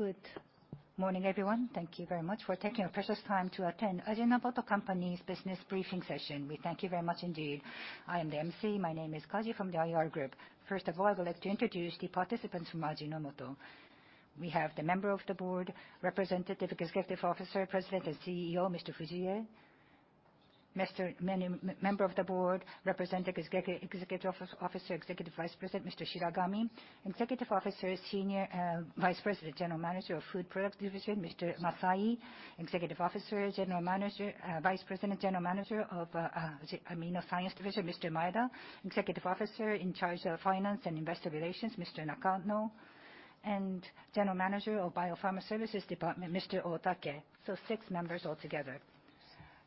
Good morning, everyone. Thank you very much for taking your precious time to attend Ajinomoto Company's business briefing session. We thank you very much indeed. I am the emcee. My name is Kaji from the IR group. First of all, I would like to introduce the participants from Ajinomoto. We have the member of the board, representative executive officer, President and CEO, Mr. Fujie. Member of the board, representative executive officer, Executive Vice President, Mr. Shiragami. Executive officer, Senior Vice President, General Manager of Food Products Division, Mr. Masayi. Executive officer, Vice President, General Manager of AminoScience Division, Mr. Maeda. Executive Officer in charge of Finance and Investor Relations, Mr. Nakano. General Manager of Bio-Pharma Services Department, Mr. Otake. Six members altogether.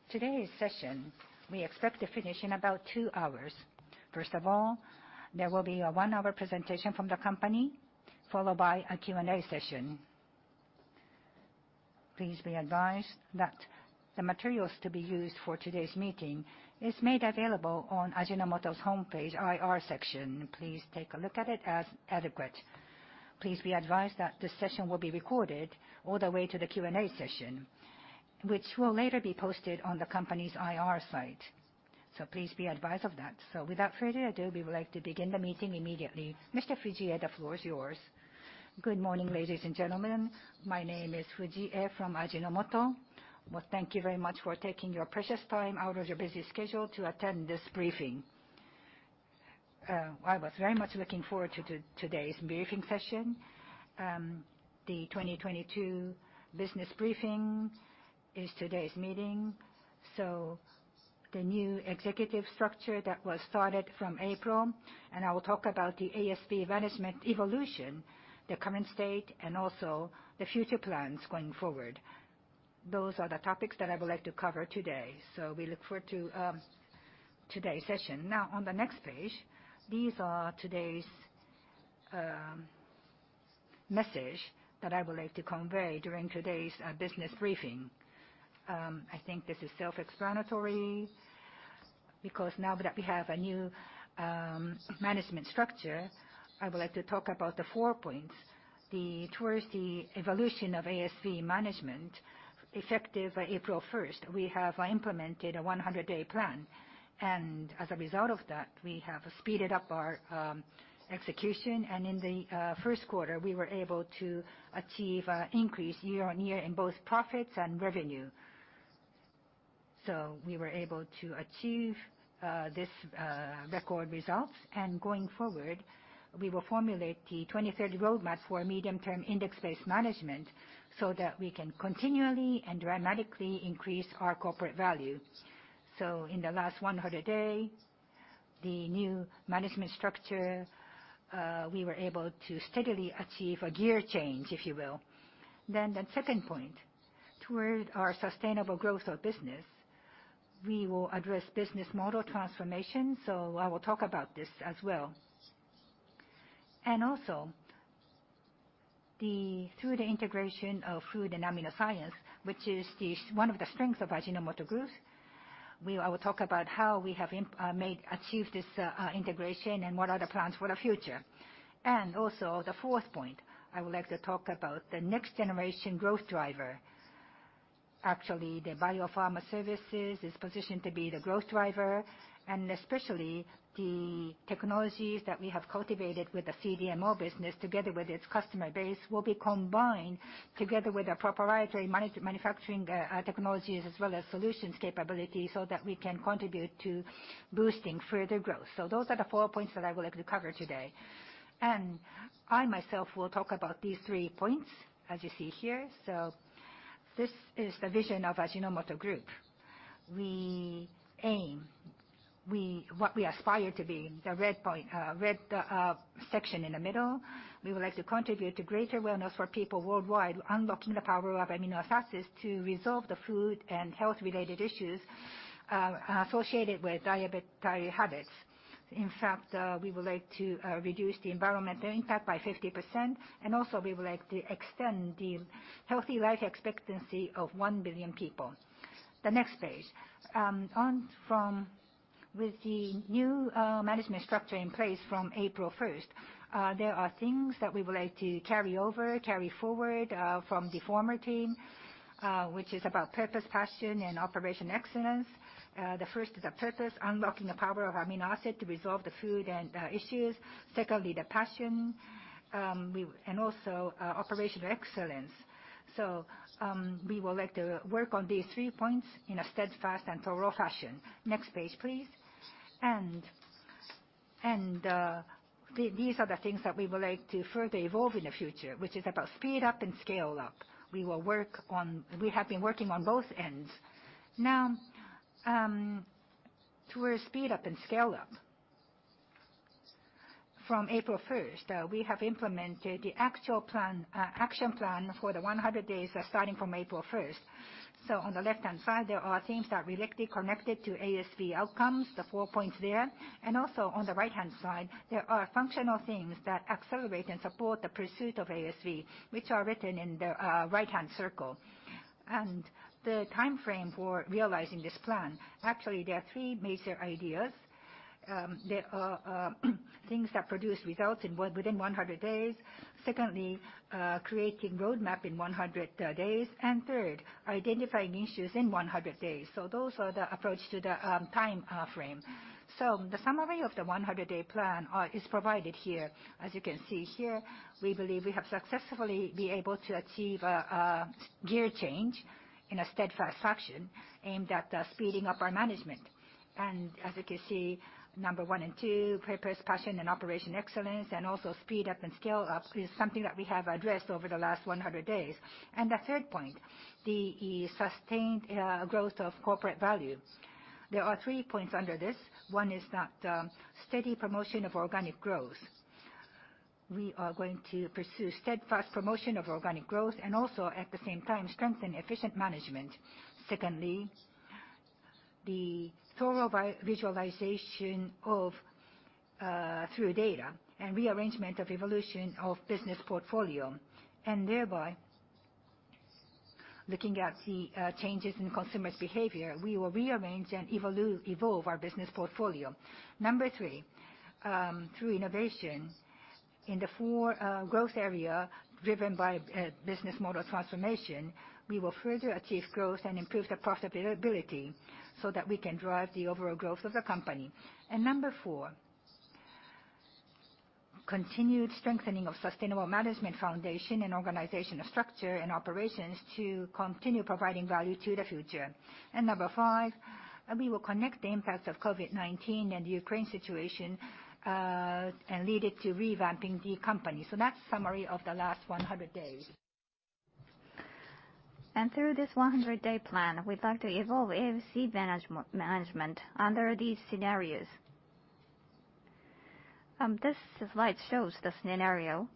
Today's session, we expect to finish in about 2 hours. First of all, there will be a 1-hour presentation from the company, followed by a Q&A session. Please be advised that the materials to be used for today's meeting is made available on Ajinomoto's homepage IR section. Please take a look at it as adequate. Please be advised that this session will be recorded all the way to the Q&A session, which will later be posted on the company's IR site. Please be advised of that. Without further ado, we would like to begin the meeting immediately. Mr. Fujie, the floor is yours. Good morning, ladies and gentlemen. My name is Fujie from Ajinomoto. Well, thank you very much for taking your precious time out of your busy schedule to attend this briefing. I was very much looking forward to today's briefing session. The 2022 business briefing is today's meeting. The new executive structure that was started from April, I will talk about the ASV management evolution, the current state, and also the future plans going forward. Those are the topics that I would like to cover today. We look forward to today's session. Now, on the next page, these are today's message that I would like to convey during today's business briefing. I think this is self-explanatory because now that we have a new management structure, I would like to talk about the four points. Towards the evolution of ASV management, effective April 1st, we have implemented a 100-day plan. As a result of that, we have speeded up our execution. In the first quarter, we were able to achieve an increase year-over-year in both profits and revenue. We were able to achieve this record results. Going forward, we will formulate the 2030 roadmap for medium-term index-based management so that we can continually and dramatically increase our corporate value. In the last 100-day, the new management structure, we were able to steadily achieve a gear change, if you will. The second point, toward our sustainable growth of business, we will address business model transformation. I will talk about this as well. Also through the integration of food and AminoScience, which is one of the strengths of Ajinomoto Group, I will talk about how we have achieved this integration and what are the plans for the future. Also the fourth point, I would like to talk about the next-generation growth driver. Actually, the Bio-Pharma Services is positioned to be the growth driver, especially the technologies that we have cultivated with the CDMO business together with its customer base will be combined together with our proprietary manufacturing technologies as well as solutions capability that we can contribute to boosting further growth. Those are the four points that I would like to cover today. I myself will talk about these three points as you see here. This is the vision of Ajinomoto Group. We aim, what we aspire to be, the red section in the middle. We would like to contribute to greater wellness for people worldwide, unlocking the power of amino acids to resolve the food and health-related issues associated with dietary habits. In fact, we would like to reduce the environmental impact by 50%, also we would like to extend the healthy life expectancy of 1 billion people. The next page. With the new management structure in place from April 1st, there are things that we would like to carry over, carry forward from the former team, which is about purpose, passion, and operational excellence. The first is the purpose, unlocking the power of amino acids to resolve the food and issues. Secondly, the passion, also operational excellence. We would like to work on these three points in a steadfast and thorough fashion. Next page, please. These are the things that we would like to further evolve in the future, which is about speed up and scale up. We have been working on both ends. Now, toward speed up and scale up. From April 1st, we have implemented the action plan for the 100 days starting from April 1st. On the left-hand side, there are things that directly connected to ASV outcomes, the four points there. Also on the right-hand side, there are functional things that accelerate and support the pursuit of ASV, which are written in the right-hand circle. The timeframe for realizing this plan, actually, there are three major ideas. There are things that produce results within 100 days. Secondly, creating roadmap in 100 days. Third, identifying issues in 100 days. Those are the approach to the time frame. The summary of the 100-day plan is provided here. As you can see here, we believe we have successfully been able to achieve a gear change in a steadfast fashion aimed at speeding up our management. As you can see, number 1 and 2, purpose, passion, and operational excellence, also speed up and scale up, is something that we have addressed over the last 100 days. The third point, the sustained growth of corporate value. There are three points under this. One is steady promotion of organic growth. We are going to pursue steadfast promotion of organic growth also at the same time strengthen efficient management. Secondly, the thorough visualization through data and rearrangement of evolution of business portfolio, thereby looking at the changes in consumer's behavior, we will rearrange and evolve our business portfolio. Number 3, through innovation in the four growth area driven by Business Model Transformation, we will further achieve growth and improve the profitability that we can drive the overall growth of the company. Number 4, continued strengthening of sustainable management foundation and organizational structure and operations to continue providing value to the future. Number 5, we will connect the impacts of COVID-19 and the Ukraine situation, and lead it to revamping the company. That's summary of the last 100 days. Through this 100-day plan, we'd like to evolve Ajinomoto management under these scenarios. This slide shows the scenario.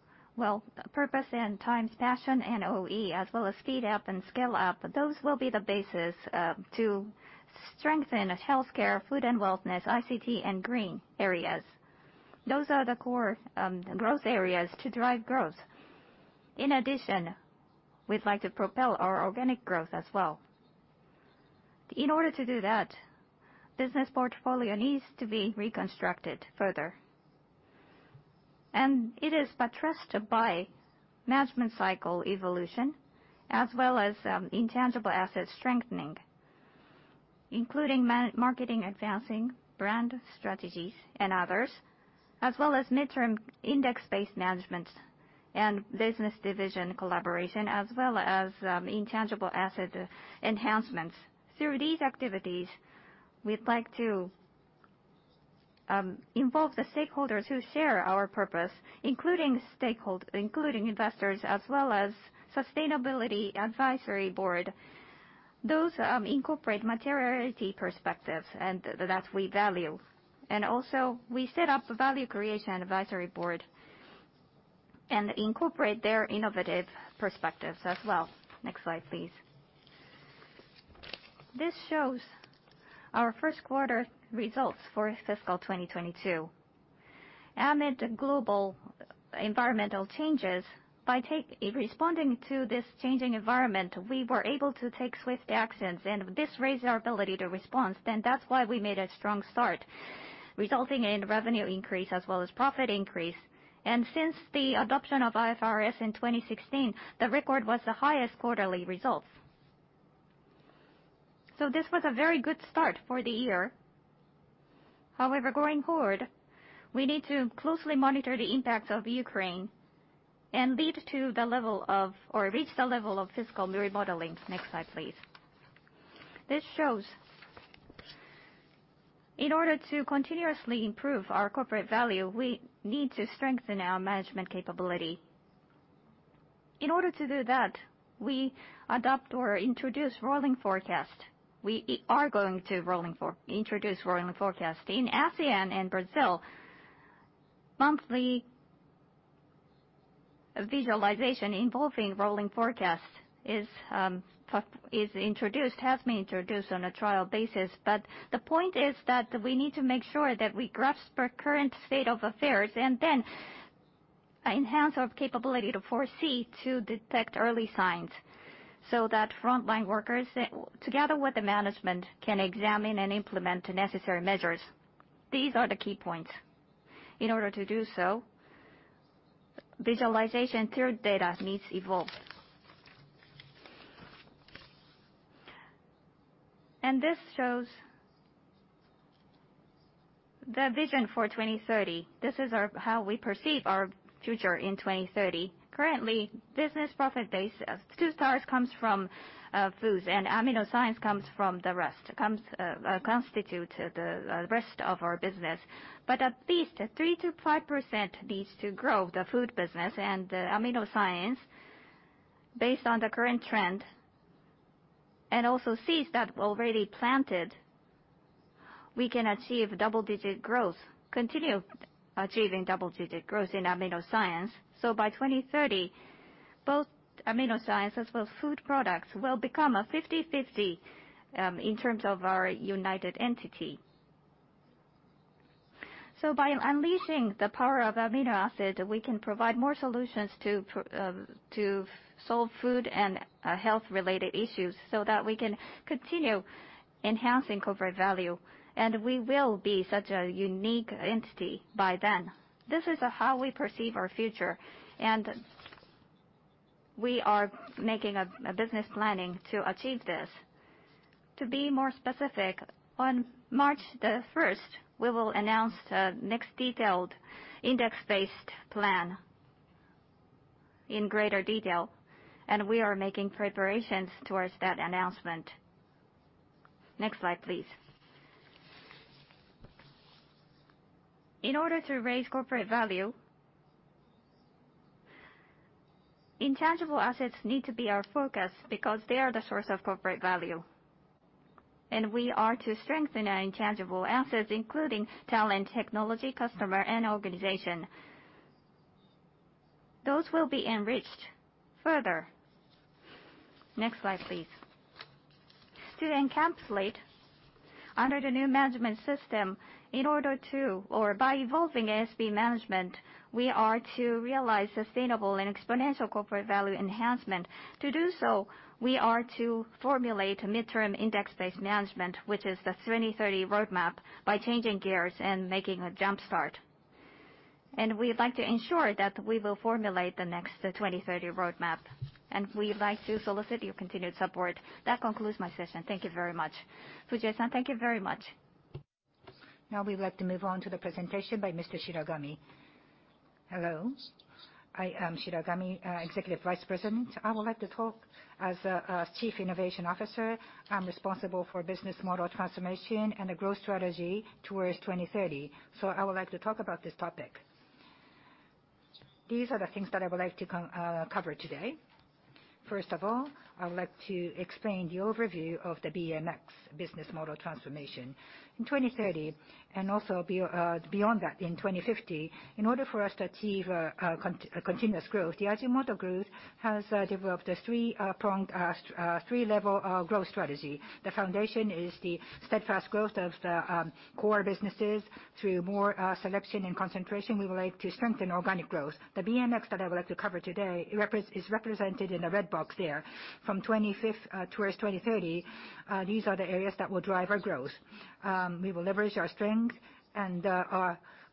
Purpose and times passion and OE, as well as speed up and scale up, those will be the basis to strengthen healthcare, food and wellness, ICT, and green areas. Those are the core growth areas to drive growth. In addition, we'd like to propel our organic growth as well. In order to do that, business portfolio needs to be reconstructed further. It is buttressed by management cycle evolution as well as intangible asset strengthening, including marketing, advancing brand strategies and others, as well as midterm index-based management and business division collaboration, as well as intangible asset enhancements. Through these activities, we'd like to involve the stakeholders who share our purpose, including investors as well as Sustainability Advisory Council. Those incorporate materiality perspectives and that we value. Also we set up a Value Creation Advisory Board and incorporate their innovative perspectives as well. Next slide, please. This shows our first quarter results for fiscal 2022. Amid global environmental changes, by responding to this changing environment, we were able to take swift actions and this raised our ability to respond. That's why we made a strong start, resulting in revenue increase as well as profit increase. Since the adoption of IFRS in 2016, the record was the highest quarterly results. This was a very good start for the year. However, going forward, we need to closely monitor the impact of Ukraine and lead to the level of, or reach the level of fiscal remodeling. Next slide, please. This shows in order to continuously improve our corporate value, we need to strengthen our management capability. In order to do that, we adopt or introduce rolling forecast. We are going to introduce rolling forecast. In ASEAN and Brazil, monthly visualization involving rolling forecast has been introduced on a trial basis. The point is that we need to make sure that we grasp the current state of affairs and then enhance our capability to foresee to detect early signs so that frontline workers, together with the management, can examine and implement the necessary measures. These are the key points. In order to do so, visualization through data needs evolve. This shows the vision for 2030. This is how we perceive our future in 2030. Currently, business profit base, 2 stars comes from foods and AminoScience constitute the rest of our business. At least 3%-5% needs to grow the food business and the AminoScience based on the current trend. Seeds that already planted, we can achieve double-digit growth, continue achieving double-digit growth in AminoScience. By 2030, both AminoScience as well as Food Products will become a 50/50 in terms of our united entity. By unleashing the power of amino acid, we can provide more solutions to solve food and health related issues so that we can continue enhancing corporate value, and we will be such a unique entity by then. This is how we perceive our future, and we are making a business planning to achieve this. To be more specific, on March 1st, we will announce the next detailed index-based plan in greater detail. We are making preparations towards that announcement. Next slide, please. In order to raise corporate value, intangible assets need to be our focus because they are the source of corporate value. We are to strengthen our intangible assets, including talent, technology, customer, and organization. Those will be enriched further. Next slide, please. To encapsulate under the new management system, in order to, or by evolving SB management, we are to realize sustainable and exponential corporate value enhancement. To do so, we are to formulate a mid-term index-based management, which is the 2030 roadmap, by changing gears and making a jump start. We'd like to ensure that we will formulate the next 2030 roadmap. We'd like to solicit your continued support. That concludes my session. Thank you very much. Fujii-san, thank you very much. We'd like to move on to the presentation by Mr. Shiragami. Hello. I am Shiragami, Executive Vice President. I would like to talk as a Chief Innovation Officer. I'm responsible for business model transformation and a growth strategy towards 2030. I would like to talk about this topic. These are the things that I would like to cover today. First of all, I would like to explain the overview of the BMX business model transformation. In 2030, and also beyond that in 2050, in order for us to achieve continuous growth, the Ajinomoto Group has developed a three-level growth strategy. The foundation is the steadfast growth of the core businesses. Through more selection and concentration, we would like to strengthen organic growth. The BMX that I would like to cover today is represented in the red box there. From 2025 towards 2030, these are the areas that will drive our growth. We will leverage our strength.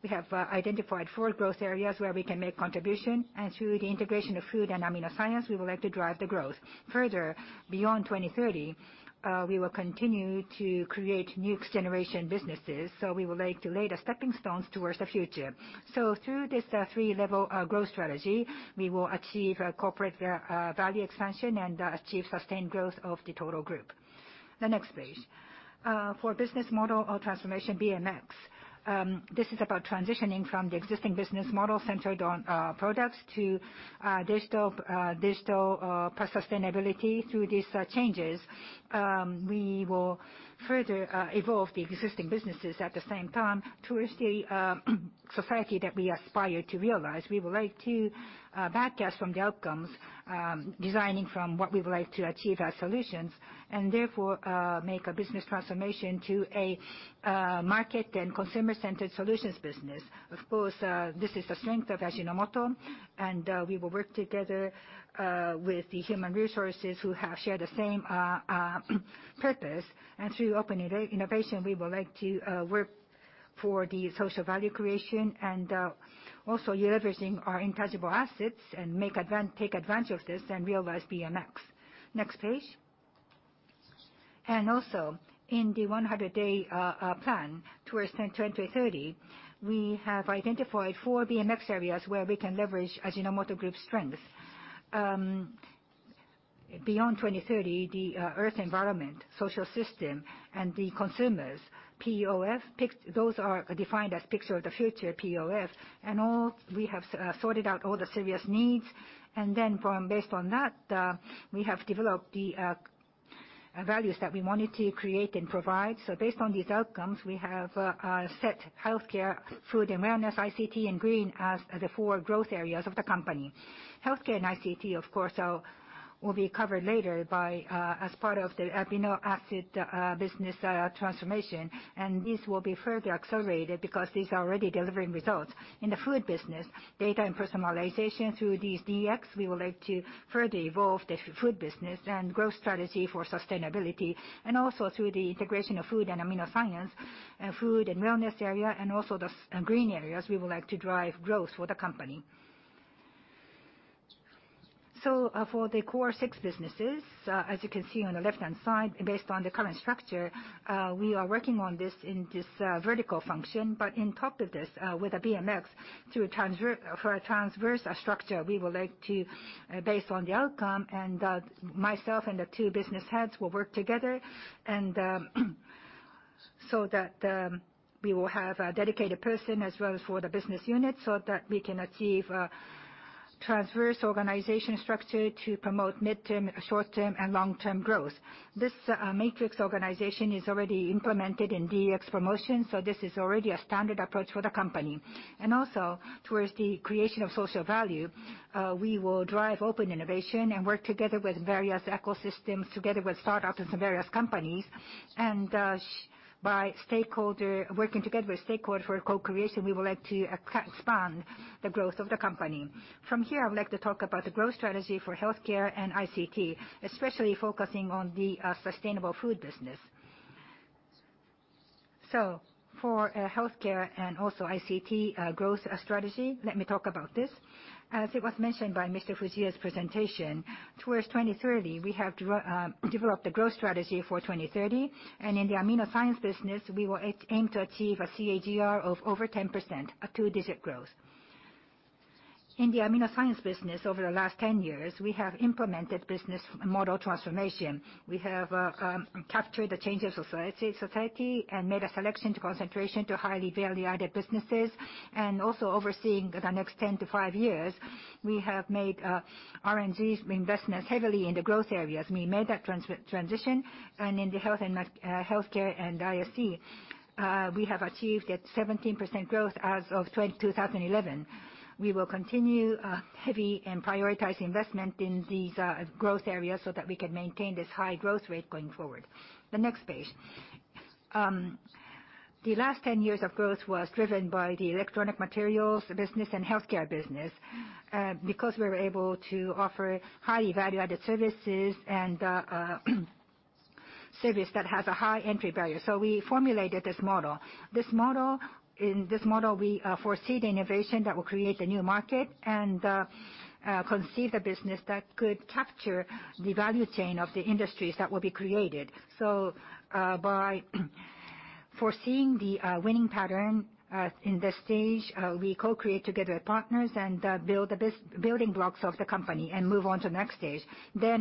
We have identified four growth areas where we can make contribution. Through the integration of Food and AminoScience, we would like to drive the growth. Further, beyond 2030, we will continue to create new generation businesses. We would like to lay the stepping stones towards the future. Through this three-level growth strategy, we will achieve corporate value expansion and achieve sustained growth of the total group. Next, please. For business model transformation, BMX, this is about transitioning from the existing business model centered on products to digital plus sustainability. Through these changes, we will further evolve the existing businesses at the same time towards the society that we aspire to realize. We would like to backcast from the outcomes, designing from what we would like to achieve as solutions, therefore, make a business transformation to a market and consumer-centered solutions business. Of course, this is the strength of Ajinomoto, and we will work together with the human resources who have shared the same purpose. Through open innovation, we would like to work for the social value creation and also leveraging our intangible assets and take advantage of this and realize BMX. Next page. In the 100-day plan towards 2030, we have identified four BMX areas where we can leverage Ajinomoto Group's strengths. Beyond 2030, the earth environment, social system, and the consumers, POF, those are defined as picture of the future, POF. We have sorted out all the serious needs. Based on that, we have developed the values that we wanted to create and provide. Based on these outcomes, we have set healthcare, food and wellness, ICT, and green as the four growth areas of the company. Healthcare and ICT, of course, will be covered later as part of the amino acid business transformation, and these will be further accelerated because these are already delivering results. In the food business, data and personalization through these DX, we would like to further evolve the food business and growth strategy for sustainability. Through the integration of food and AminoScience and food and wellness area, the green areas, we would like to drive growth for the company. For the core six businesses, as you can see on the left-hand side, based on the current structure, we are working on this in this vertical function. On top of this, with the BMX, for a transverse structure, we would like to, based on the outcome, myself and the two business heads will work together so that we will have a dedicated person as well as for the business unit so that we can achieve a transverse organization structure to promote mid-term, short-term, and long-term growth. This matrix organization is already implemented in DX promotion, so this is already a standard approach for the company. Towards the creation of social value, we will drive open innovation and work together with various ecosystems, together with startups and some various companies. By working together with stakeholder for co-creation, we would like to expand the growth of the company. From here, I would like to talk about the growth strategy for healthcare and ICT, especially focusing on the sustainable food business. For healthcare and also ICT growth strategy, let me talk about this. As it was mentioned by Mr. Fujii's presentation, towards 2030, we have developed a growth strategy for 2030, and in the AminoScience business, we will aim to achieve a CAGR of over 10%, a two-digit growth. In the AminoScience business, over the last 10 years, we have implemented business model transformation. We have captured the change of society and made a selection to concentration to highly value-added businesses. Overseeing the next 10 to five years, we have made R&D investments heavily in the growth areas. We made that transition. In the healthcare and ICT, we have achieved a 17% growth as of 2011. We will continue heavy and prioritize investment in these growth areas so that we can maintain this high growth rate going forward. The next page. The last 10 years of growth was driven by the electronic materials business and healthcare business, because we were able to offer highly value-added services and service that has a high entry barrier. We formulated this model. In this model, we foresee the innovation that will create the new market and conceive the business that could capture the value chain of the industries that will be created. By foreseeing the winning pattern in this stage, we co-create together with partners and the building blocks of the company and move on to the next stage.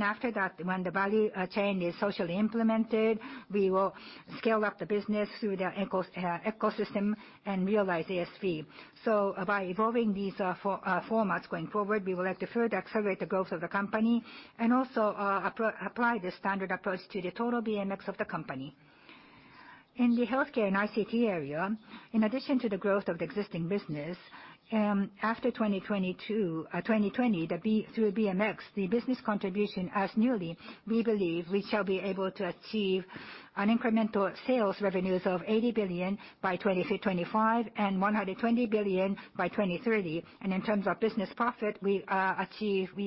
After that, when the value chain is socially implemented, we will scale up the business through the ecosystem and realize ASV. By evolving these formats going forward, we would like to further accelerate the growth of the company and also apply the standard approach to the total BMX of the company. In the healthcare and ICT area, in addition to the growth of the existing business, after 2020 through BMX, the business contribution as newly, we believe we shall be able to achieve an incremental sales revenues of 80 billion by 2025 and 120 billion by 2030. In terms of business profit, we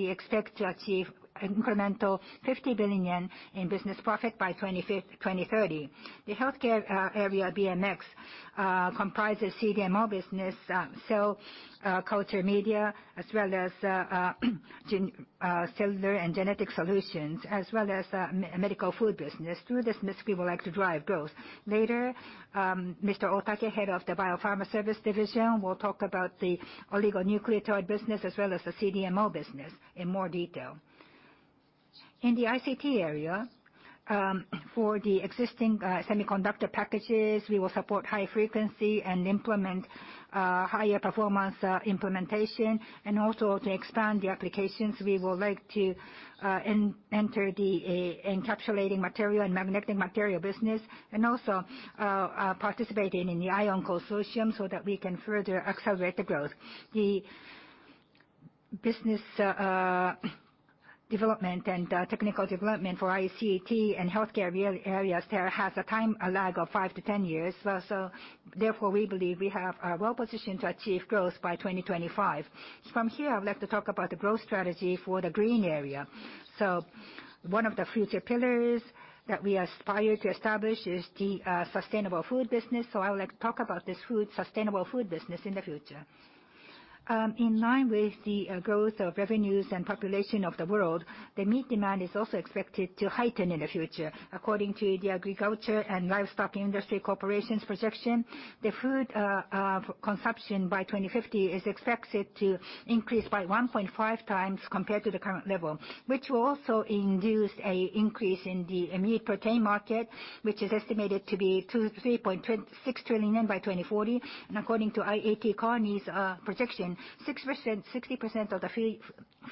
expect to achieve incremental 50 billion yen in business profit by 2030. The healthcare area BMX comprises CDMO business, cell culture media, as well as cellular and genetic solutions, as well as medical food business. Through this business, we would like to drive growth. Later, Mr. Otake, head of the Bio-Pharma Services Division, will talk about the oligonucleotide business as well as the CDMO business in more detail. In the ICT area, for the existing semiconductor packages, we will support high frequency and implement higher performance implementation. Also to expand the applications, we would like to enter the encapsulating material and magnetic material business, also participate in the ION consortium so that we can further accelerate the growth. The business development and technical development for ICT and healthcare areas has a time lag of 5 to 10 years. Therefore, we believe we are well-positioned to achieve growth by 2025. From here, I would like to talk about the growth strategy for the green area. One of the future pillars that we aspire to establish is the sustainable food business. I would like to talk about this sustainable food business in the future. In line with the growth of revenues and population of the world, the meat demand is also expected to heighten in the future. According to the Agriculture & Livestock Industry Cooperation's projection, the food consumption by 2050 is expected to increase by 1.5 times compared to the current level, which will also induce an increase in the meat protein market, which is estimated to be 3.6 trillion by 2040. According to Kearney's projection, 60% of the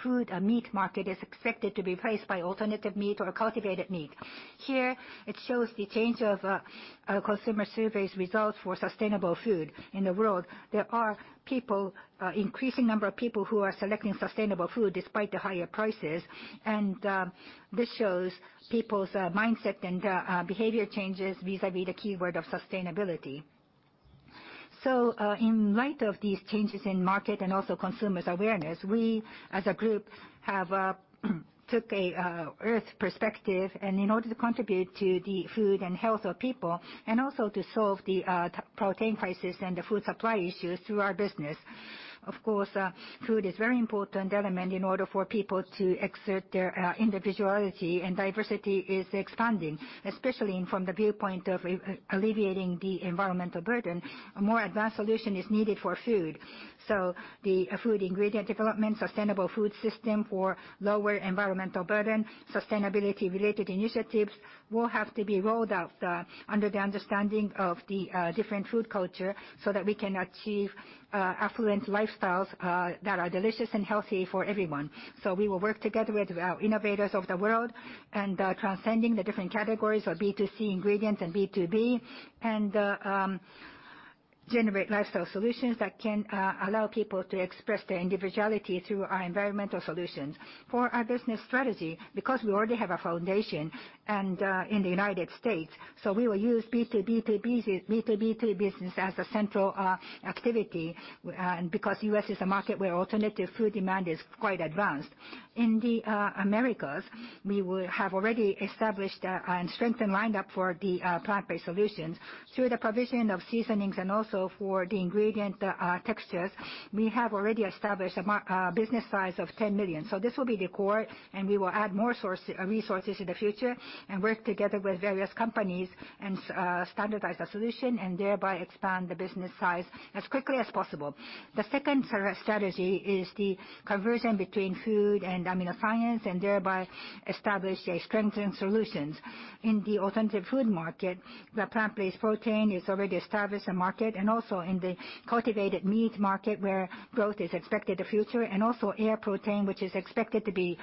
food meat market is expected to be replaced by alternative meat or cultivated meat. Here, it shows the change of consumer surveys results for sustainable food. In the world, there are increasing number of people who are selecting sustainable food despite the higher prices. This shows people's mindset and behavior changes vis-à-vis the keyword of sustainability. In light of these changes in market and also consumers' awareness, we as a group have took a earth perspective, in order to contribute to the food and health of people, also to solve the protein crisis and the food supply issues through our business. Of course, food is very important element in order for people to exert their individuality, and diversity is expanding. Especially from the viewpoint of alleviating the environmental burden, a more advanced solution is needed for food. The food ingredient development, sustainable food system for lower environmental burden, sustainability-related initiatives will have to be rolled out under the understanding of the different food culture so that we can achieve affluent lifestyles that are delicious and healthy for everyone. We will work together with innovators of the world and transcending the different categories of B2C ingredients and B2B. Generate lifestyle solutions that can allow people to express their individuality through our environmental solutions. For our business strategy, because we already have a foundation in the U.S., we will use B2B2 business as a central activity, because U.S. is a market where alternative food demand is quite advanced. In the Americas, we have already established a strengthened lineup for the plant-based solutions through the provision of seasonings and also for the ingredient textures. We have already established a business size of 10 million. This will be the core, and we will add more resources in the future and work together with various companies and standardize a solution, thereby expand the business size as quickly as possible. The second strategy is the conversion between food and AminoScience, thereby establish strengthened solutions. In the alternative food market, where plant-based protein is already established a market, also in the cultivated meat market, where growth is expected in the future, also air protein, which is expected to be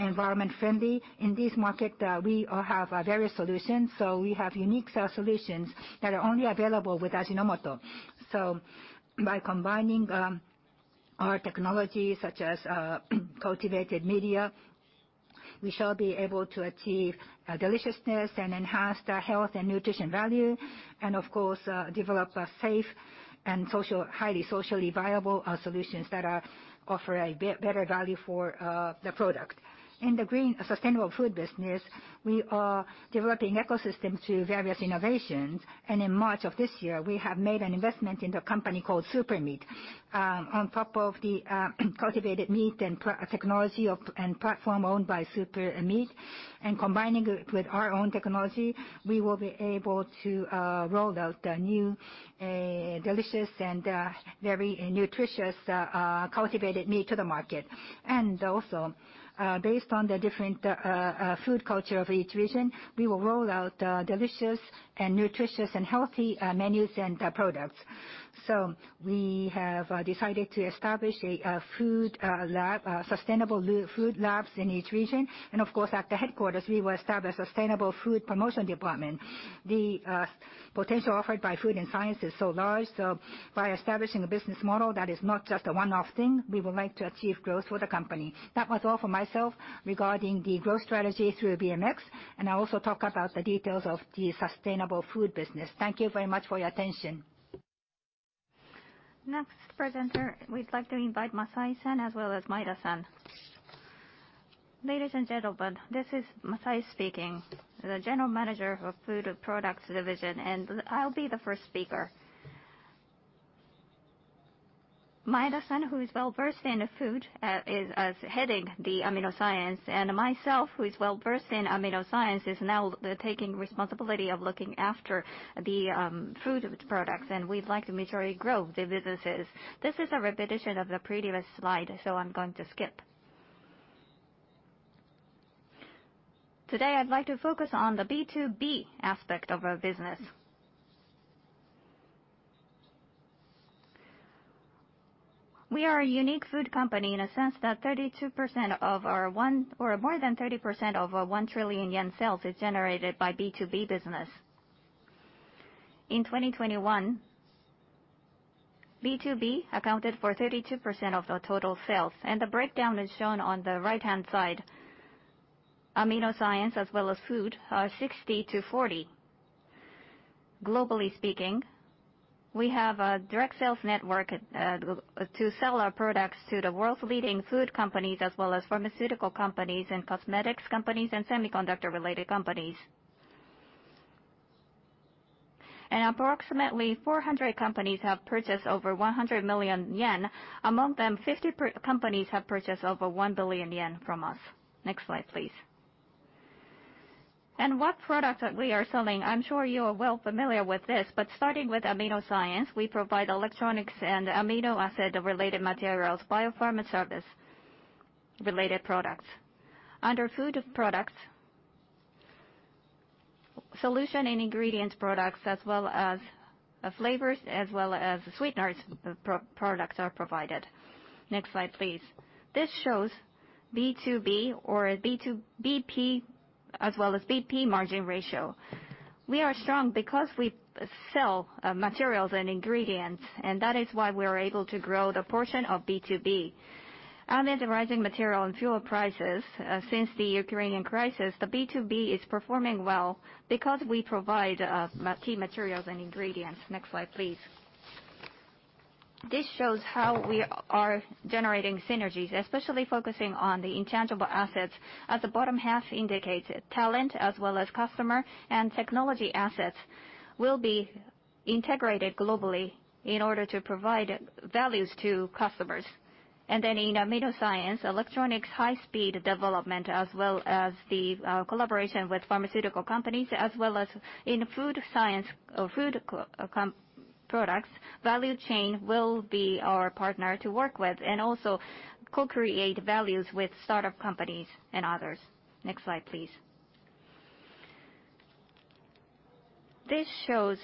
environment-friendly. In this market, we have various solutions. We have unique solutions that are only available with Ajinomoto. By combining our technology such as cultivated media, we shall be able to achieve deliciousness and enhance the health and nutrition value, of course, develop a safe and highly socially viable solutions that offer a better value for the product. In the green sustainable food business, we are developing ecosystems through various innovations, in March of this year, we have made an investment in the company called SuperMeat. On top of the cultivated meat and technology and platform owned by SuperMeat, combining it with our own technology, we will be able to roll out the new, delicious, and very nutritious cultivated meat to the market. Also, based on the different food culture of each region, we will roll out delicious and nutritious and healthy menus and products. We have decided to establish sustainable food labs in each region. Of course, at the headquarters, we will establish Sustainable Food Promotion Department. The potential offered by food and science is so large. By establishing a business model that is not just a one-off thing, we would like to achieve growth for the company. That was all for myself regarding the growth strategy through BMX. I also talk about the details of the sustainable food business. Thank you very much for your attention. Next presenter, we'd like to invite Masai San as well as Maeda San. Ladies and gentlemen, this is Masai speaking, the General Manager of Food Products Division, and I'll be the first speaker. Maeda San, who is well-versed in food, is heading the AminoScience, and myself, who is well-versed in AminoScience, is now taking responsibility of looking after the Food Products, and we'd like to mutually grow the businesses. This is a repetition of the previous slide, so I'm going to skip. Today, I'd like to focus on the B2B aspect of our business. We are a unique food company in a sense that more than 30% of our 1 trillion yen sales is generated by B2B business. In 2021, B2B accounted for 32% of the total sales, and the breakdown is shown on the right-hand side. AminoScience as well as Food are 60/40. Globally speaking, we have a direct sales network to sell our products to the world's leading food companies as well as pharmaceutical companies and cosmetics companies and semiconductor-related companies. Approximately 400 companies have purchased over 100 million yen. Among them, 50 companies have purchased over 1 billion yen from us. Next slide, please. What products are we selling? I'm sure you are well familiar with this, but starting with AminoScience, we provide electronics and amino acid-related materials, Bio-Pharma Services-related products. Under Food Products, solution and ingredient products as well as flavors, as well as sweeteners products are provided. Next slide, please. This shows B2B or B2BP as well as BP margin ratio. We are strong because we sell materials and ingredients, and that is why we are able to grow the portion of B2B. Amid the rising material and fuel prices since the Ukrainian crisis, the B2B is performing well because we provide key materials and ingredients. Next slide, please. This shows how we are generating synergies, especially focusing on the intangible assets as the bottom half indicates. Talent as well as customer and technology assets will be integrated globally in order to provide values to customers. In AminoScience, electronics, high speed development, as well as the collaboration with pharmaceutical companies, as well as in Food Products, value chain will be our partner to work with and also co-create values with startup companies and others. Next slide, please. This shows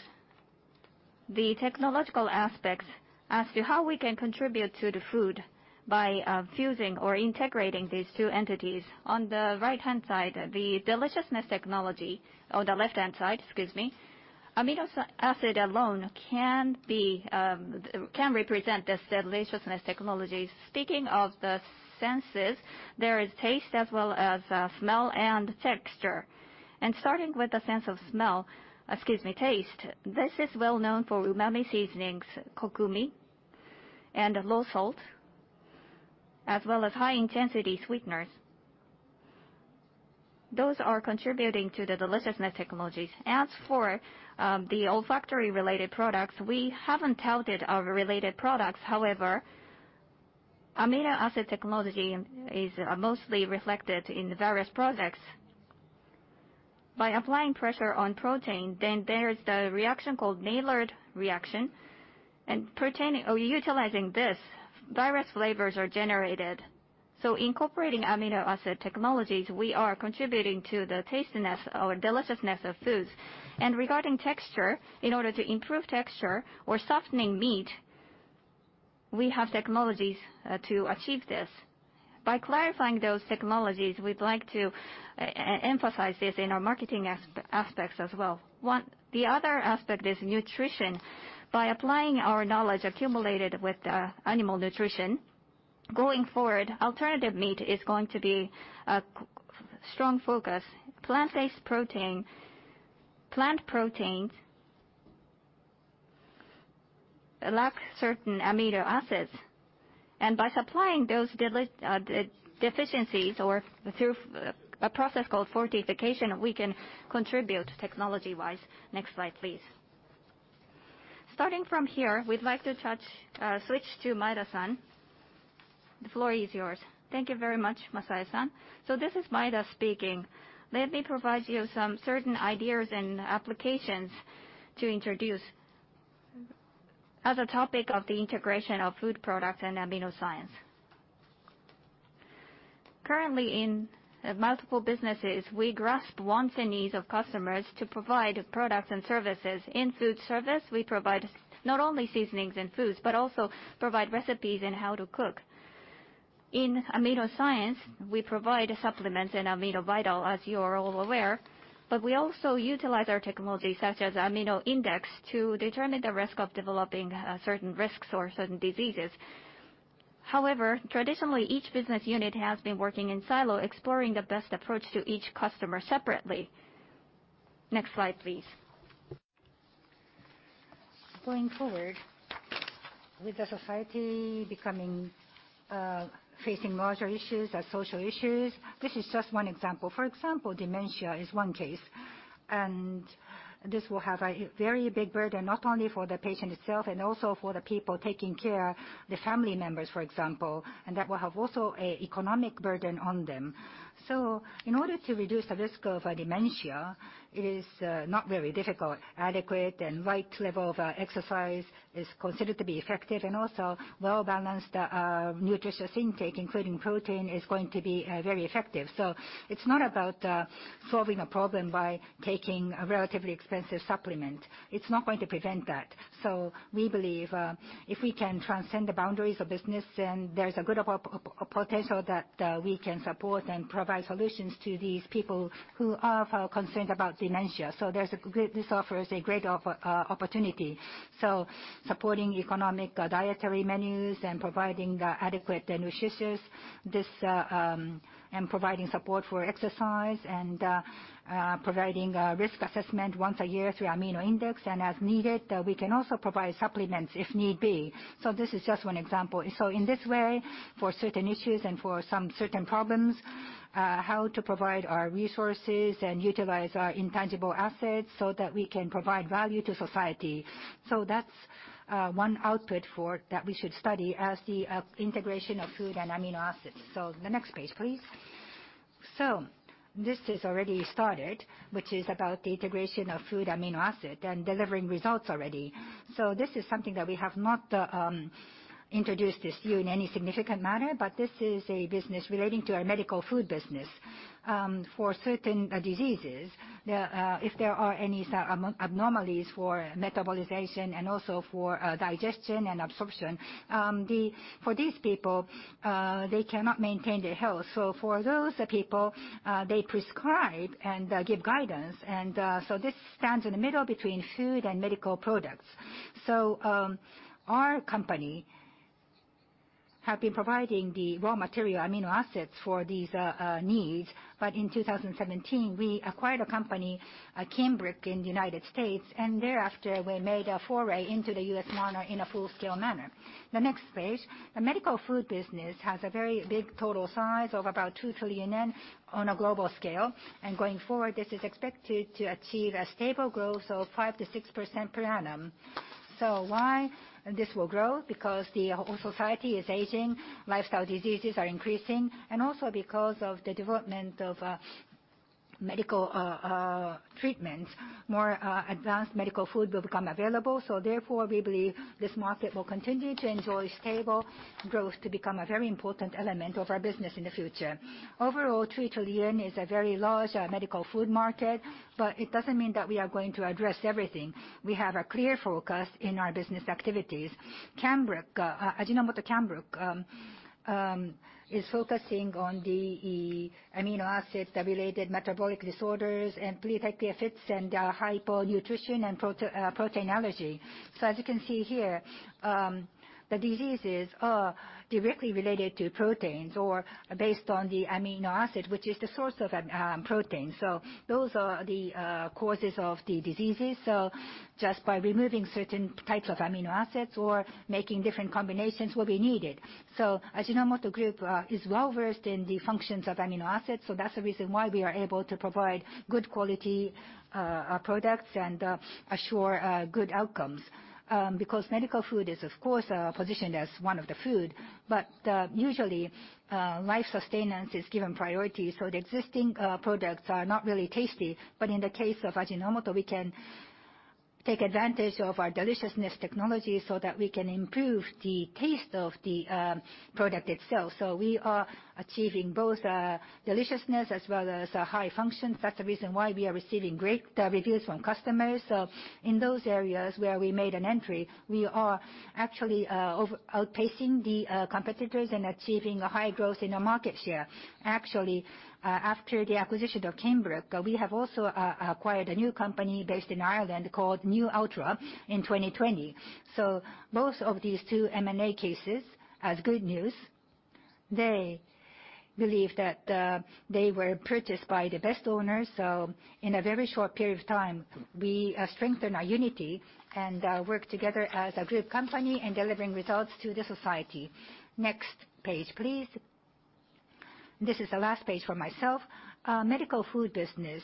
the technological aspects as to how we can contribute to the food by fusing or integrating these two entities. On the right-hand side, the deliciousness technology. On the left-hand side, excuse me. Amino acid alone can represent this deliciousness technology. Speaking of the senses, there is taste as well as smell and texture. Starting with the sense of smell, excuse me, taste. This is well known for umami seasonings, kokumi, and low salt, as well as high-intensity sweeteners. Those are contributing to the deliciousness technologies. As for the olfactory-related products, we haven't touted our related products. However, amino acid technology is mostly reflected in various products. By applying pressure on protein, then there is the reaction called Maillard reaction, and utilizing this, various flavors are generated. Incorporating amino acid technologies, we are contributing to the tastiness or deliciousness of foods. Regarding texture, in order to improve texture or softening meat, we have technologies to achieve this. By clarifying those technologies, we'd like to emphasize this in our marketing aspects as well. The other aspect is nutrition. By applying our knowledge accumulated with animal nutrition, going forward, alternative meat is going to be a strong focus. Plant proteins lack certain amino acids, by supplying those deficiencies or through a process called fortification, we can contribute technology-wise. Next slide, please. Starting from here, we'd like to switch to Maeda-san. The floor is yours. Thank you very much, Masai San. This is Maeda speaking. Let me provide you some certain ideas and applications to introduce as a topic of the integration of Food Products and AminoScience. Currently, in multiple businesses, we grasp wants and needs of customers to provide products and services. In food service, we provide not only seasonings and foods, but also provide recipes and how to cook. In AminoScience, we provide supplements in aminoVITAL, as you are all aware, we also utilize our technology such as AminoIndex to determine the risk of developing certain risks or certain diseases. However, traditionally, each business unit has been working in silo, exploring the best approach to each customer separately. Next slide, please. Going forward, with the society facing larger issues and social issues, this is just one example. For example, dementia is one case, this will have a very big burden, not only for the patient itself and also for the people taking care, the family members, for example. That will have also an economic burden on them. In order to reduce the risk of dementia, it is not very difficult. Adequate and right level of exercise is considered to be effective, also well-balanced nutritious intake, including protein, is going to be very effective. It's not about solving a problem by taking a relatively expensive supplement. It's not going to prevent that. We believe if we can transcend the boundaries of business, then there is a good potential that we can support and provide solutions to these people who are concerned about dementia. This offers a great opportunity. Supporting economic dietary menus and providing adequate nutritious, providing support for exercise, providing risk assessment once a year through AminoIndex. As needed, we can also provide supplements if need be. This is just one example. In this way, for certain issues and for some certain problems, how to provide our resources and utilize our intangible assets so that we can provide value to society. That's one output that we should study as the integration of food and amino acids. The next page, please. This is already started, which is about the integration of food amino acid and delivering results already. This is something that we have not introduced to you in any significant manner, this is a business relating to our medical food business. For certain diseases, if there are any abnormalities for metabolization and also for digestion and absorption, for these people, they cannot maintain their health. For those people, they prescribe and give guidance, this stands in the middle between food and medical products. Our company have been providing the raw material amino acids for these needs. In 2017, we acquired a company, Cambrooke, in the U.S., and thereafter we made a foray into the U.S. market in a full-scale manner. The next page. The medical food business has a very big total size of about 2 trillion yen on a global scale. Going forward, this is expected to achieve a stable growth of 5%-6% per annum. Why this will grow? The whole society is aging, lifestyle diseases are increasing, and also because of the development of. Medical treatments, more advanced medical food will become available. Therefore, we believe this market will continue to enjoy stable growth to become a very important element of our business in the future. Overall, 3 trillion is a very large medical food market, but it doesn't mean that we are going to address everything. We have a clear focus in our business activities. Ajinomoto Cambrooke is focusing on the amino acids related metabolic disorders and protective effects in hyponutrition and protein allergy. As you can see here, the diseases are directly related to proteins or based on the amino acid, which is the source of protein. Those are the causes of the diseases. Just by removing certain types of amino acids or making different combinations will be needed. Ajinomoto Group is well-versed in the functions of amino acids, so that's the reason why we are able to provide good quality products and assure good outcomes. Medical food is of course, positioned as one of the food, but usually, life sustenance is given priority. The existing products are not really tasty. In the case of Ajinomoto, we can take advantage of our deliciousness technology so that we can improve the taste of the product itself. We are achieving both deliciousness as well as high function. That's the reason why we are receiving great reviews from customers. In those areas where we made an entry, we are actually outpacing the competitors and achieving a high growth in our market share. Actually, after the acquisition of Cambrooke, we have also acquired a new company based in Ireland called Nualtra in 2020. Both of these two M&A cases as good news. They believe that they were purchased by the best owners. In a very short period of time, we strengthen our unity and work together as a group company and delivering results to the society. Next page, please. This is the last page for myself. Medical food business.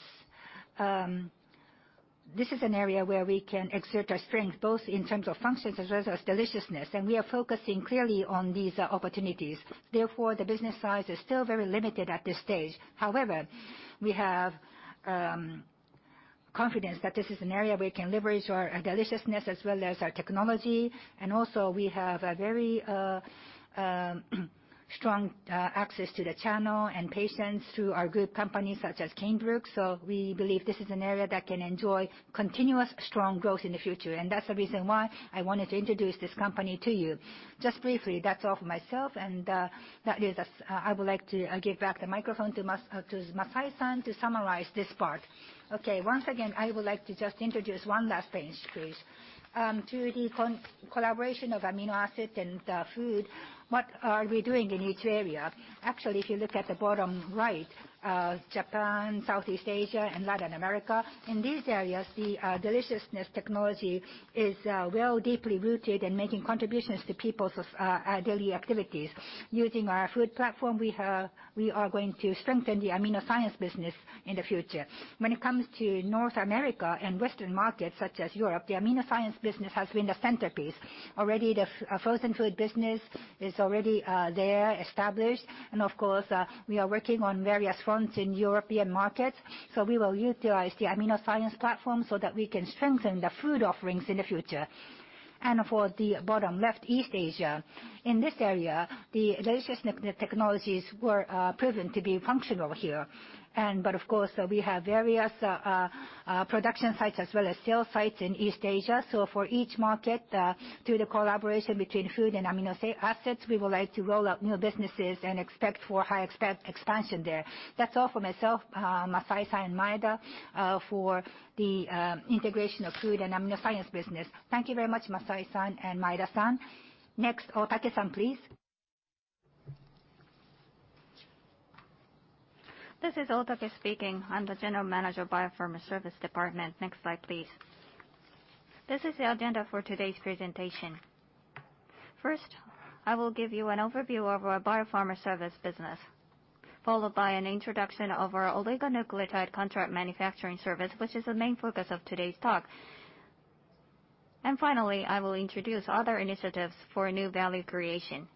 This is an area where we can exert our strength, both in terms of functions as well as deliciousness, and we are focusing clearly on these opportunities. The business size is still very limited at this stage. We have confidence that this is an area we can leverage our deliciousness as well as our technology, and also we have a very strong access to the channel and patients through our group companies such as Cambrooke. We believe this is an area that can enjoy continuous strong growth in the future. That's the reason why I wanted to introduce this company to you. Just briefly, that's all for myself and I would like to give back the microphone to Masaya-san to summarize this part. Once again, I would like to just introduce one last page, please. To the collaboration of amino acid and food, what are we doing in each area? Actually, if you look at the bottom right, Japan, Southeast Asia and Latin America, in these areas, the deliciousness technology is well deeply rooted in making contributions to people's daily activities. Using our food platform, we are going to strengthen the AminoScience business in the future. When it comes to North America and Western markets such as Europe, the AminoScience business has been the centerpiece. Already, the frozen food business is already there, established. Of course, we are working on various fronts in European markets. We will utilize the AminoScience platform so that we can strengthen the food offerings in the future. For the bottom left, East Asia. In this area, the deliciousness technologies were proven to be functional here. Of course, we have various production sites as well as sales sites in East Asia. For each market, through the collaboration between food and amino acids, we would like to roll out new businesses and expect for high expansion there. That's all for myself, Masaya-san and Maeda for the integration of food and AminoScience business. Thank you very much, Masaya-san and Maeda-san. Next, Mr. Otake, please. This is Mr. Otake speaking. I'm the General Manager of Bio-Pharma Services Department. Next slide, please. This is the agenda for today's presentation. First, I will give you an overview of our Bio-Pharma Services business, followed by an introduction of our oligonucleotide contract manufacturing service, which is the main focus of today's talk. Finally, I will introduce other initiatives for new value creation.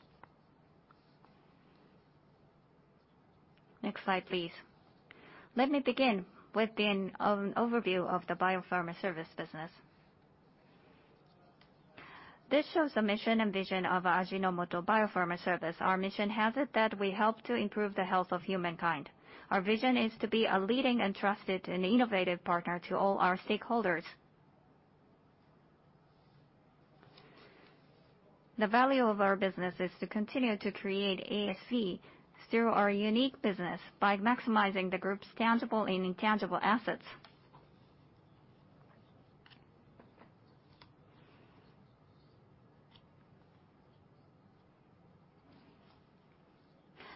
Next slide, please. Let me begin with an overview of the Bio-Pharma Services business. This shows the mission and vision of Ajinomoto Bio-Pharma Services. Our mission has it that we help to improve the health of humankind. Our vision is to be a leading and trusted and innovative partner to all our stakeholders. The value of our business is to continue to create ASV through our unique business by maximizing the Group's tangible and intangible assets.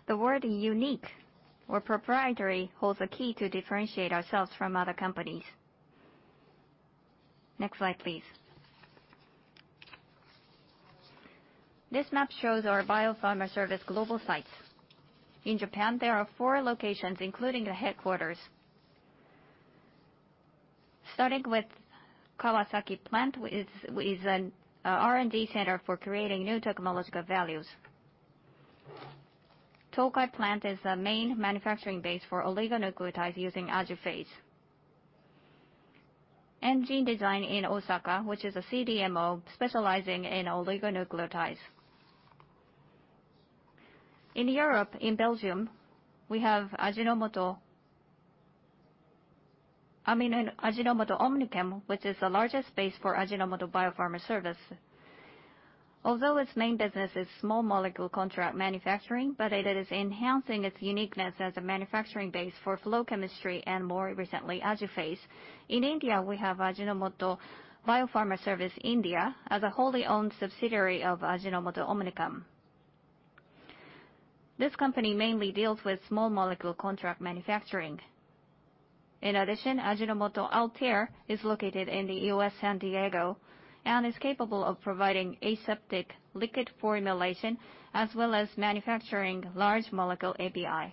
The word unique or proprietary holds a key to differentiate ourselves from other companies. Next slide, please. This map shows our Bio-Pharma Services global sites. In Japan, there are four locations, including the headquarters. Starting with Kawasaki plant, is an R&D center for creating new technological values. Tokai plant is the main manufacturing base for oligonucleotides using AJIPHASE. And GeneDesign in Osaka, which is a CDMO specializing in oligonucleotides. In Europe, in Belgium, we have Ajinomoto OmniChem, which is the largest base for Ajinomoto Bio-Pharma Services. Although its main business is small molecule contract manufacturing, but it is enhancing its uniqueness as a manufacturing base for flow chemistry and more recently, AJIPHASE. In India, we have Ajinomoto Bio-Pharma Services India as a wholly owned subsidiary of Ajinomoto OmniChem. This company mainly deals with small molecule contract manufacturing. In addition, Ajinomoto Althea is located in the U.S., San Diego, and is capable of providing aseptic liquid formulation as well as manufacturing large molecule API.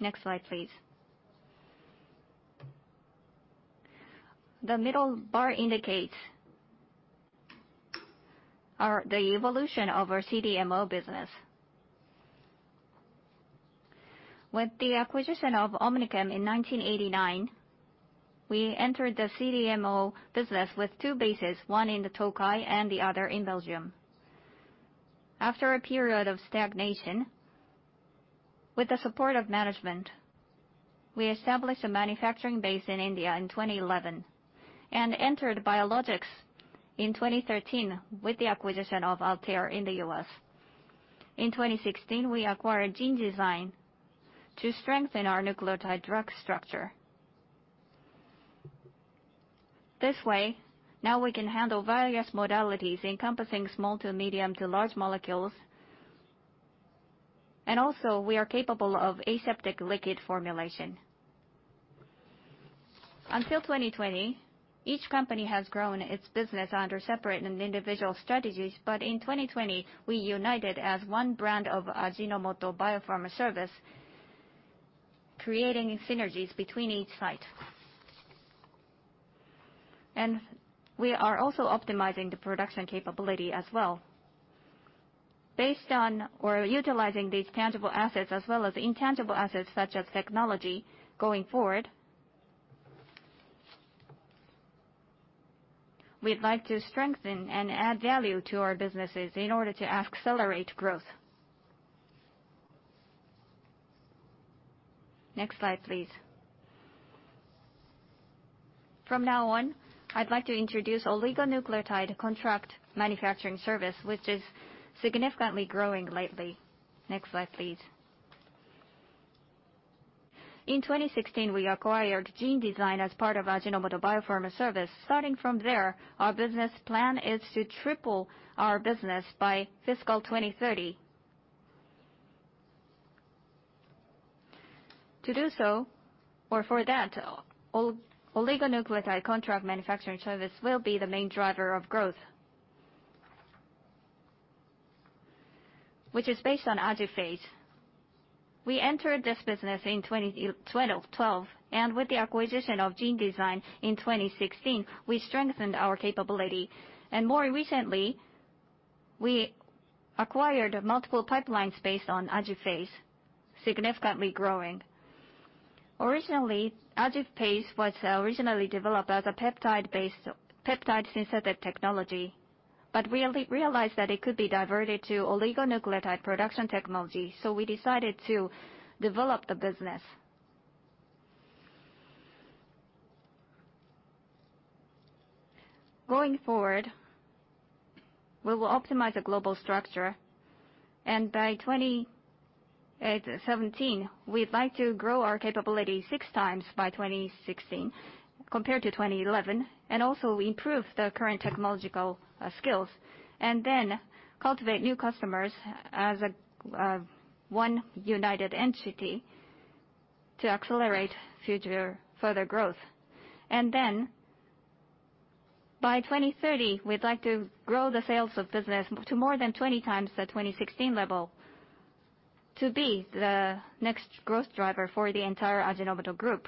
Next slide, please. The middle bar indicates the evolution of our CDMO business. With the acquisition of OmniChem in 1989, we entered the CDMO business with two bases, one in the Tokai and the other in Belgium. After a period of stagnation, with the support of management, we established a manufacturing base in India in 2011 and entered biologics in 2013 with the acquisition of Althea in the U.S. In 2016, we acquired GeneDesign to strengthen our nucleotide drug structure. This way, now we can handle various modalities encompassing small to medium to large molecules, and also we are capable of aseptic liquid formulation. Until 2020, each company has grown its business under separate and individual strategies, but in 2020, we united as one brand of Ajinomoto Bio-Pharma Services, creating synergies between each site. We are also optimizing the production capability as well. Based on or utilizing these tangible assets as well as intangible assets such as technology going forward, we'd like to strengthen and add value to our businesses in order to accelerate growth. Next slide, please. From now on, I'd like to introduce oligonucleotide contract manufacturing service, which is significantly growing lately. Next slide, please. In 2016, we acquired GeneDesign as part of Ajinomoto Bio-Pharma Services. Starting from there, our business plan is to triple our business by fiscal 2030. To do so, or for that, oligonucleotide contract manufacturing service will be the main driver of growth, which is based on AJIPHASE. We entered this business in 2012, and with the acquisition of GeneDesign in 2016, we strengthened our capability. More recently, we acquired multiple pipelines based on AJIPHASE, significantly growing. AJIPHASE was originally developed as a peptide synthetic technology, but we realized that it could be diverted to oligonucleotide production technology, so we decided to develop the business. Going forward, we will optimize the global structure. By 2017, we'd like to grow our capability 6 times by 2016 compared to 2011 and also improve the current technological skills. Then cultivate new customers as one united entity to accelerate future further growth. By 2030, we'd like to grow the sales of business to more than 20 times the 2016 level to be the next growth driver for the entire Ajinomoto Group.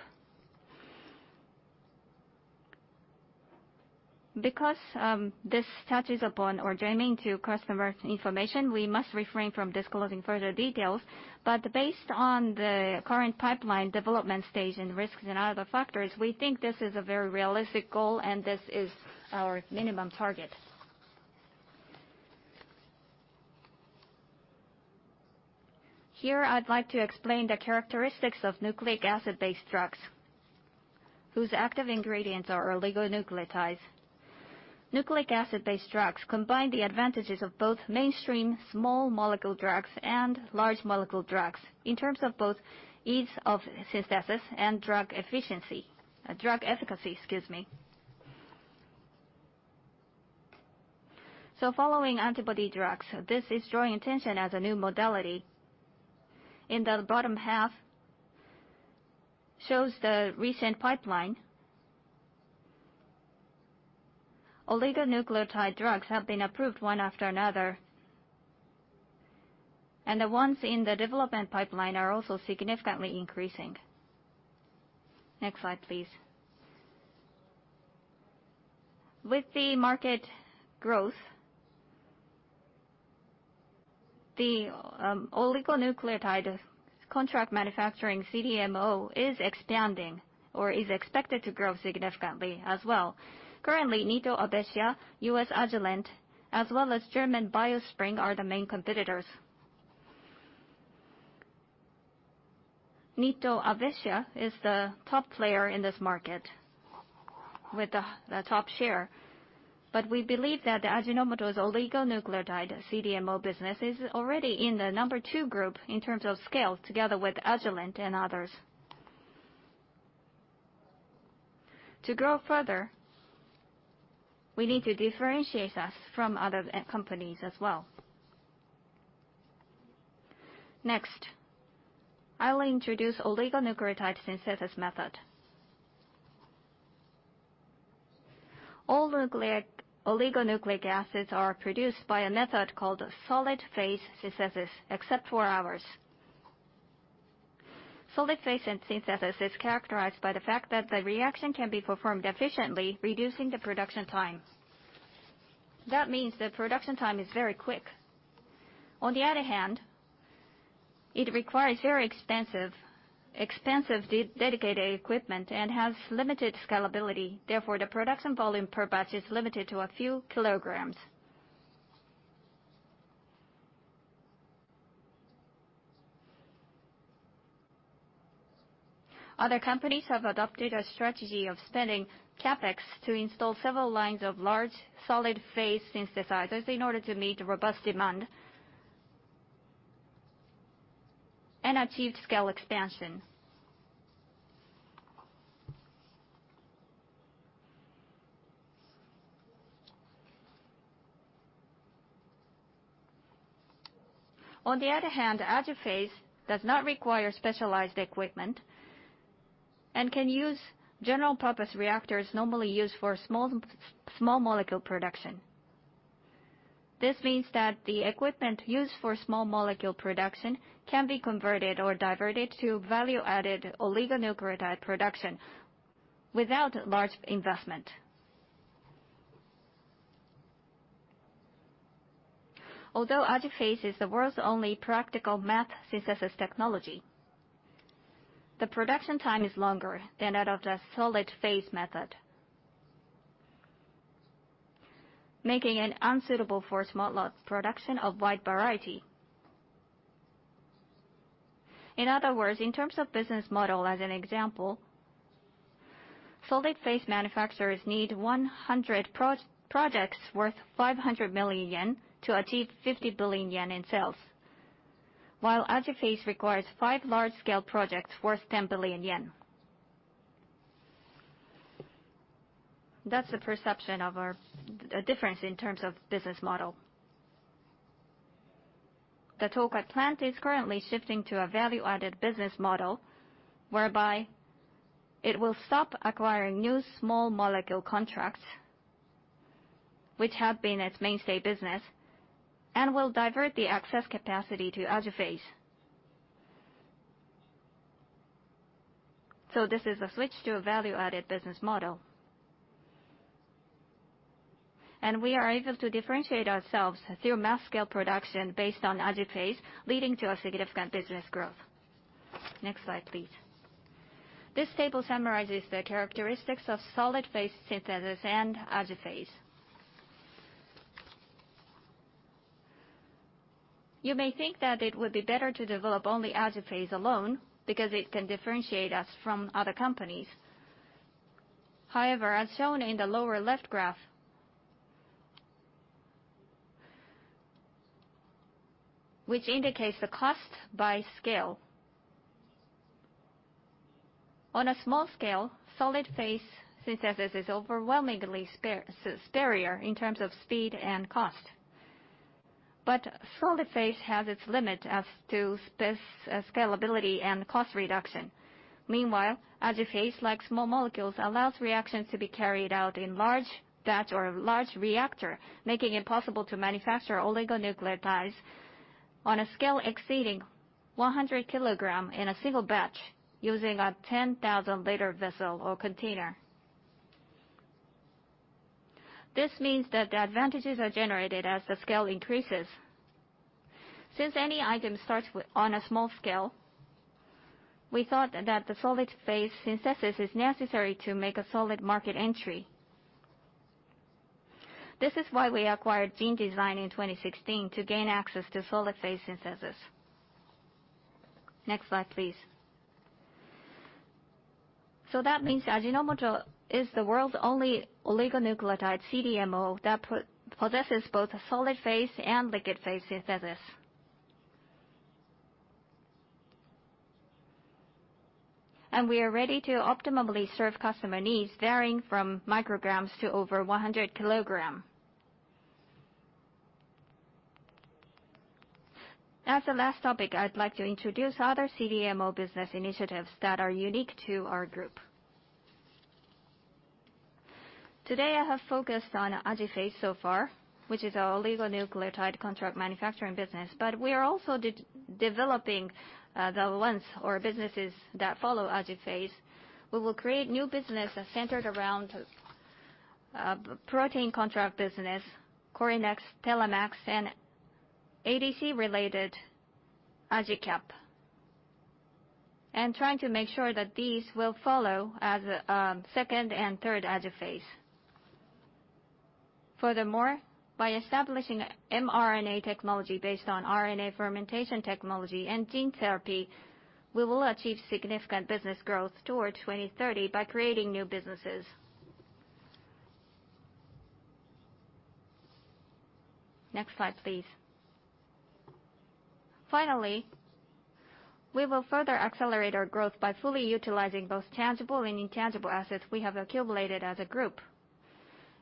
This touches upon or germane to customer information, we must refrain from disclosing further details. Based on the current pipeline development stage and risks and other factors, we think this is a very realistic goal, and this is our minimum target. Here, I'd like to explain the characteristics of nucleic acid-based drugs, whose active ingredients are oligonucleotides. Nucleic acid-based drugs combine the advantages of both mainstream small molecule drugs and large molecule drugs in terms of both ease of synthesis and drug efficacy. Following antibody drugs, this is drawing attention as a new modality. In the bottom half shows the recent pipeline. Oligonucleotide drugs have been approved one after another. The ones in the development pipeline are also significantly increasing. Next slide, please. With the market growth, the oligonucleotide contract manufacturing CDMO is expanding or is expected to grow significantly as well. Currently, Nitto Avecia, U.S. Agilent, as well as German BioSpring are the main competitors. Nitto Avecia is the top player in this market with the top share. We believe that Ajinomoto's oligonucleotide CDMO business is already in the number 2 group in terms of scale, together with Agilent and others. To grow further, we need to differentiate us from other companies as well. Next, I'll introduce oligonucleotide synthesis method. All oligonucleotides are produced by a method called solid phase synthesis, except for ours. Solid phase synthesis is characterized by the fact that the reaction can be performed efficiently, reducing the production time. That means the production time is very quick. On the other hand, it requires very expensive dedicated equipment and has limited scalability. Therefore, the production volume per batch is limited to a few kilograms. Other companies have adopted a strategy of spending CapEx to install several lines of large solid phase synthesizers in order to meet the robust demand and achieve scale expansion. On the other hand, AJIPHASE does not require specialized equipment and can use general-purpose reactors normally used for small molecule production. This means that the equipment used for small molecule production can be converted or diverted to value-added oligonucleotide production without large investment. Although AJIPHASE is the world's only practical MAPSS synthesis technology, the production time is longer than that of the solid phase method, making it unsuitable for small lot production of wide variety. In other words, in terms of business model as an example, solid phase manufacturers need 100 projects worth 500 million yen to achieve 50 billion yen in sales, while AJIPHASE requires five large-scale projects worth 10 billion yen. That's the perception of our difference in terms of business model. The Tokai plant is currently shifting to a value-added business model, whereby it will stop acquiring new small molecule contracts, which have been its mainstay business, and will divert the excess capacity to AJIPHASE. This is a switch to a value-added business model. We are able to differentiate ourselves through mass scale production based on AJIPHASE, leading to a significant business growth. Next slide, please. This table summarizes the characteristics of solid phase synthesis and AJIPHASE. You may think that it would be better to develop only AJIPHASE alone because it can differentiate us from other companies. However, as shown in the lower left graph, which indicates the cost by scale. On a small scale, solid phase synthesis is overwhelmingly superior in terms of speed and cost. Solid phase has its limit as to scalability and cost reduction. Meanwhile, AJIPHASE, like small molecules, allows reactions to be carried out in large batch or large reactor, making it possible to manufacture oligonucleotides on a scale exceeding 100 kilograms in a single batch, using a 10,000-liter vessel or container. This means that the advantages are generated as the scale increases. Since any item starts on a small scale, we thought that the solid phase synthesis is necessary to make a solid market entry. This is why we acquired GeneDesign in 2016, to gain access to solid phase synthesis. Next slide, please. That means Ajinomoto is the world's only oligonucleotide CDMO that possesses both solid phase and liquid phase synthesis. We are ready to optimally serve customer needs, varying from micrograms to over 100 kilograms. As the last topic, I'd like to introduce other CDMO business initiatives that are unique to our group. Today, I have focused on AJIPHASE so far, which is our oligonucleotide contract manufacturing business. We are also developing the ones or businesses that follow AJIPHASE. We will create new business centered around protein contract business, CORYNEX, TALEMAX, and ADC-related AJICAP. Trying to make sure that these will follow as second and third AJIPHASE. Furthermore, by establishing mRNA technology based on RNA fermentation technology and gene therapy, we will achieve significant business growth towards 2030 by creating new businesses. Next slide, please. Finally, we will further accelerate our growth by fully utilizing both tangible and intangible assets we have accumulated as a group.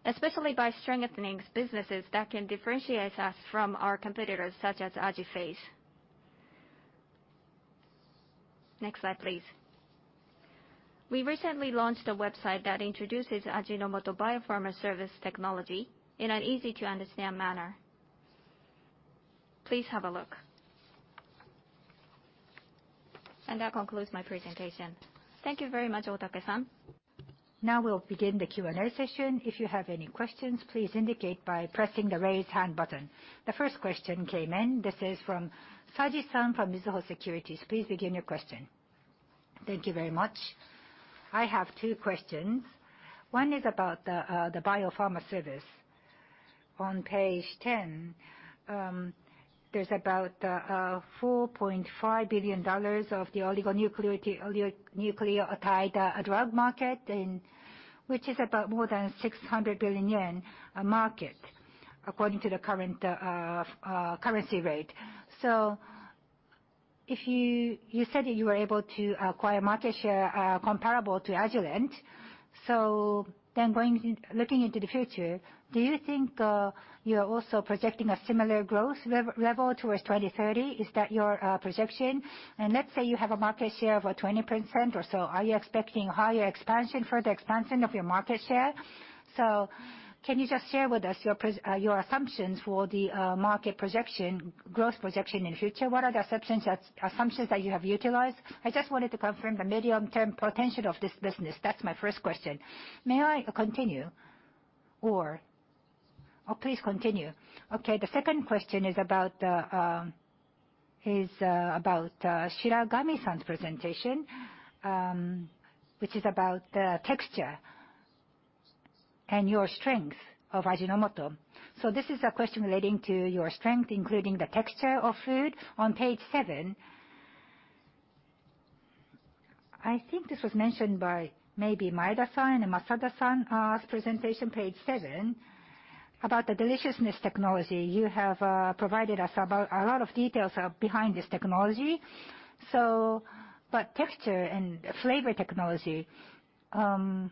Especially by strengthening businesses that can differentiate us from our competitors, such as AJIPHASE. Next slide, please. We recently launched a website that introduces Ajinomoto Bio-Pharma Services technology in an easy-to-understand manner. Please have a look. That concludes my presentation. Thank you very much, Otake-san. Now we'll begin the Q&A session. If you have any questions, please indicate by pressing the Raise Hand button. The first question came in. This is from Saji-san from Mizuho Securities. Please begin your question. Thank you very much. I have two questions. One is about the Bio-Pharma Services. On page 10, there's about $4.5 billion of the oligonucleotide drug market, which is about more than 600 billion yen market according to the current currency rate. You said that you were able to acquire market share comparable to Agilent. Looking into the future, do you think you're also projecting a similar growth level towards 2030? Is that your projection? Let's say you have a market share of 20% or so, are you expecting higher expansion, further expansion of your market share? Can you just share with us your assumptions for the market projection, growth projection in future? What are the assumptions that you have utilized? I just wanted to confirm the medium-term potential of this business. That's my first question. May I continue or Oh, please continue. Okay. The second question is about Shiragami-san's presentation, which is about the texture and your strength of Ajinomoto. This is a question relating to your strength, including the texture of food. On page seven, I think this was mentioned by maybe Maeda-san and Masada-san's presentation, page seven, about the deliciousness technology. You have provided us about a lot of details behind this technology. Texture and flavor technology, you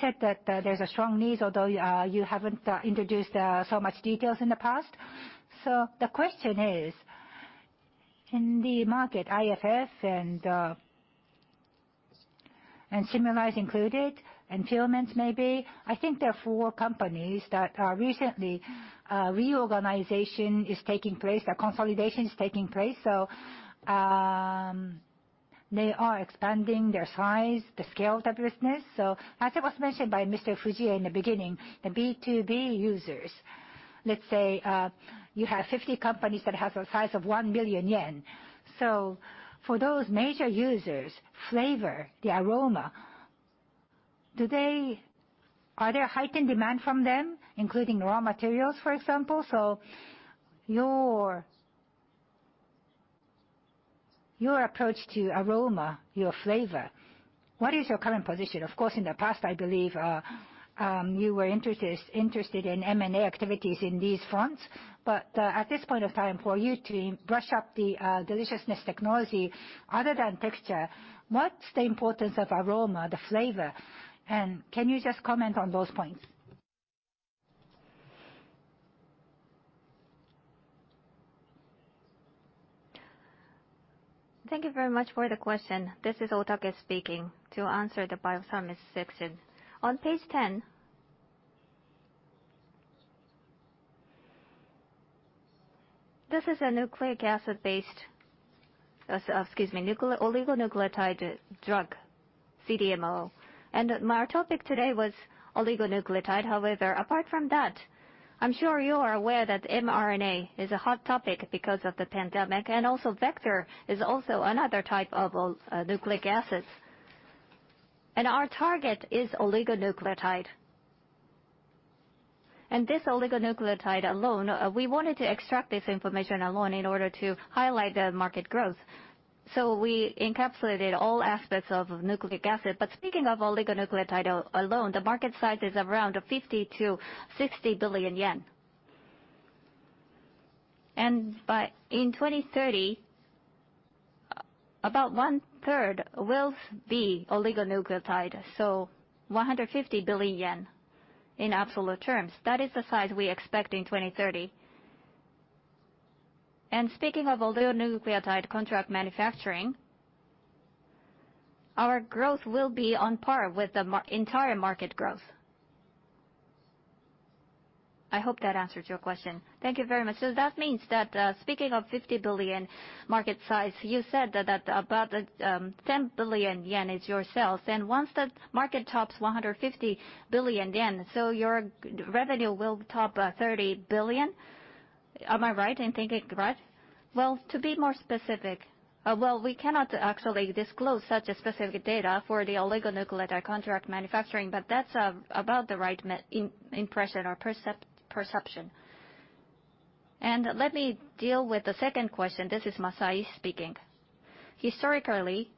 said that there's a strong need, although you haven't introduced so much details in the past. The question is, in the market, IFF and Symrise included, and Firmenich maybe, I think there are four companies that are recently, reorganization is taking place, consolidation is taking place. They are expanding their size, the scale of the business. As it was mentioned by Mr. Fujii in the beginning, the B2B users. Let's say, you have 50 companies that have a size of 1 billion yen. For those major users, flavor, the aroma, are there heightened demand from them, including raw materials, for example? Your approach to aroma, your flavor, what is your current position? Of course, in the past, I believe, you were interested in M&A activities in these fronts. At this point of time, for you to brush up the deliciousness technology, other than texture, what's the importance of aroma, the flavor? Can you just comment on those points? Thank you very much for the question. This is Otake speaking. To answer the biopharmaceutics, on page 10, this is a nucleic acid-based, excuse me, oligonucleotide drug, CDMO. My topic today was oligonucleotide. However, apart from that, I'm sure you are aware that mRNA is a hot topic because of the pandemic, and also vector is also another type of nucleic acids. Our target is oligonucleotide. This oligonucleotide alone, we wanted to extract this information alone in order to highlight the market growth. We encapsulated all aspects of nucleic acid. But speaking of oligonucleotide alone, the market size is around 50 billion-60 billion yen. In 2030 About one-third will be oligonucleotide. 150 billion yen in absolute terms. That is the size we expect in 2030. Speaking of oligonucleotide contract manufacturing, our growth will be on par with the entire market growth. I hope that answered your question. Thank you very much. That means that, speaking of 50 billion market size, you said that about 10 billion yen is your sales. Once that market tops 150 billion yen, your revenue will top 30 billion. Am I right in thinking, right? Well, to be more specific, we cannot actually disclose such specific data for the oligonucleotide contract manufacturing, but that's about the right impression or perception. Let me deal with the second question. This is Masayi speaking. Historically,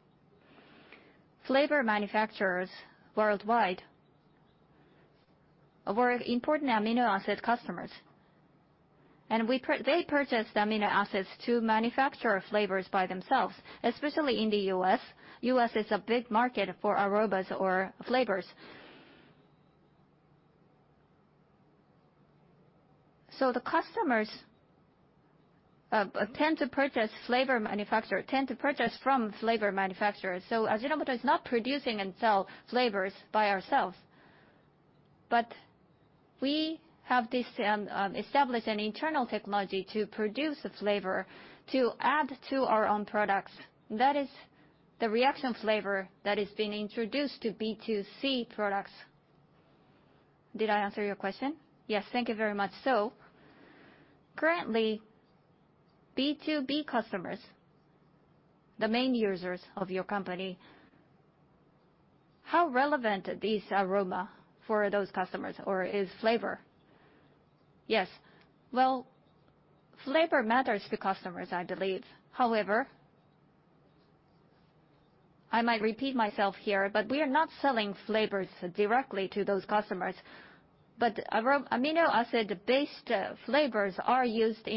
flavor manufacturers worldwide were important amino acid customers. They purchased amino acids to manufacture flavors by themselves, especially in the U.S. U.S. is a big market for aromas or flavors. The customers tend to purchase from flavor manufacturers. Ajinomoto is not producing and sell flavors by ourselves. We have established an internal technology to produce a flavor to add to our own products. That is the reaction flavor that is being introduced to B2C products. Did I answer your question? Yes. Thank you very much. Currently, B2B customers, the main users of your company, how relevant is aroma for those customers, or is flavor? Yes. Well, flavor matters to customers, I believe. However, I might repeat myself here, but we are not selling flavors directly to those customers. But amino acid-based flavors are used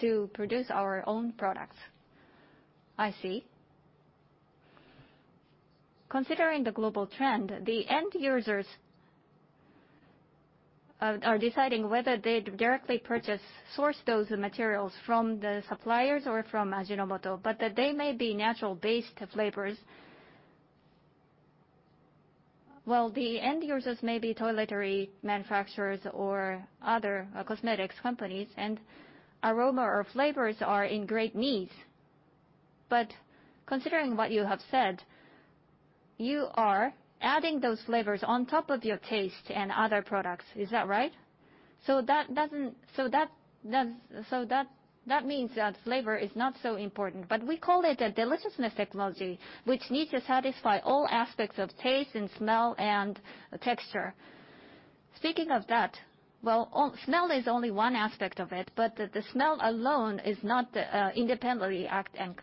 to produce our own products. I see. Considering the global trend, the end users are deciding whether they directly purchase, source those materials from the suppliers or from Ajinomoto, but they may be natural-based flavors. Well, the end users may be toiletry manufacturers or other cosmetics companies, and aroma or flavors are in great need. Considering what you have said, you are adding those flavors on top of your taste and other products. Is that right? That means that flavor is not so important. We call it a deliciousness technology, which needs to satisfy all aspects of taste and smell and texture. Speaking of that, well, smell is only one aspect of it, but the smell alone is not independently acting.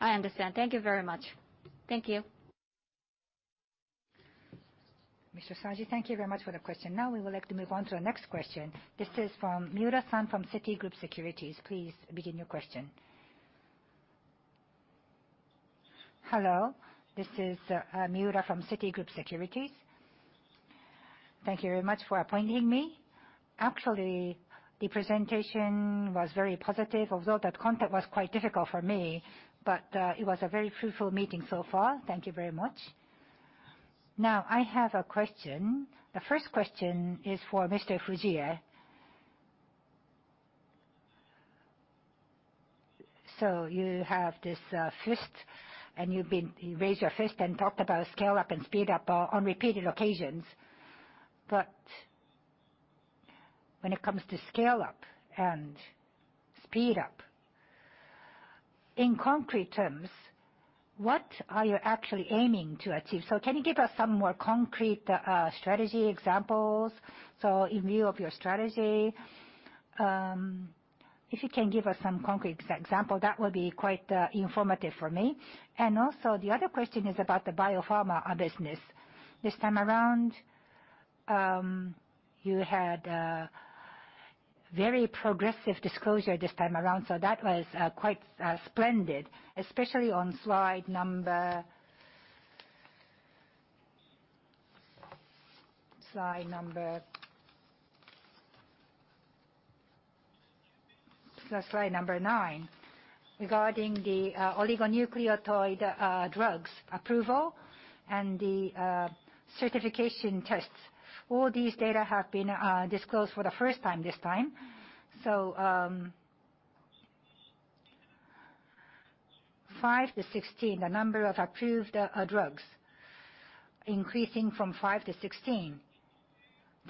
I understand. Thank you very much. Thank you. Mr. Saji, thank you very much for the question. We would like to move on to our next question. This is from Miura-san from Citigroup Securities. Please begin your question. Hello. This is Miura from Citigroup Securities. Thank you very much for appointing me. Actually, the presentation was very positive, although that content was quite difficult for me, it was a very fruitful meeting so far. Thank you very much. I have a question. The first question is for Mr. Fujie. You have this fist, and you raised your fist and talked about scale up and speed up on repeated occasions. When it comes to scale up and speed up, in concrete terms, what are you actually aiming to achieve? Can you give us some more concrete strategy examples? In view of your strategy, if you can give us some concrete example, that would be quite informative for me. Also, the other question is about the biopharma business. This time around, you had a very progressive disclosure this time around, that was quite splendid, especially on slide number nine regarding the oligonucleotide drugs approval and the certification tests. All these data have been disclosed for the first time this time. 5 to 16, the number of approved drugs increasing from 5 to 16.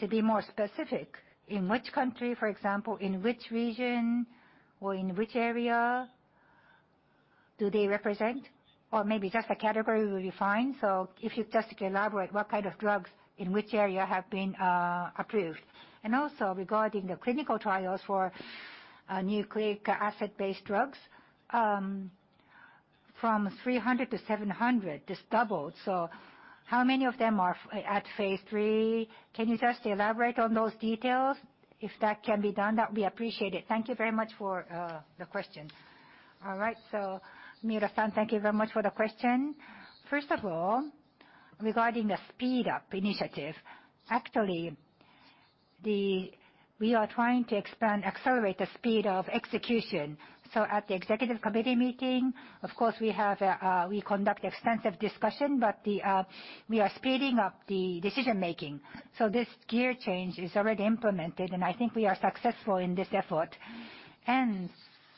To be more specific, in which country, for example, in which region or in which area do they represent? Or maybe just a category will be fine. If you just elaborate what kind of drugs in which area have been approved. Also regarding the clinical trials for nucleic acid-based drugs, from 300 to 700, this doubled. How many of them are at phase III? Can you just elaborate on those details? If that can be done, that would be appreciated. Thank you very much for the question. All right. Miura-san, thank you very much for the question. First of all, regarding the speed up initiative, actually, we are trying to expand, accelerate the speed of execution. At the executive committee meeting, of course, we conduct extensive discussion, we are speeding up the decision-making. This gear change is already implemented, and I think we are successful in this effort.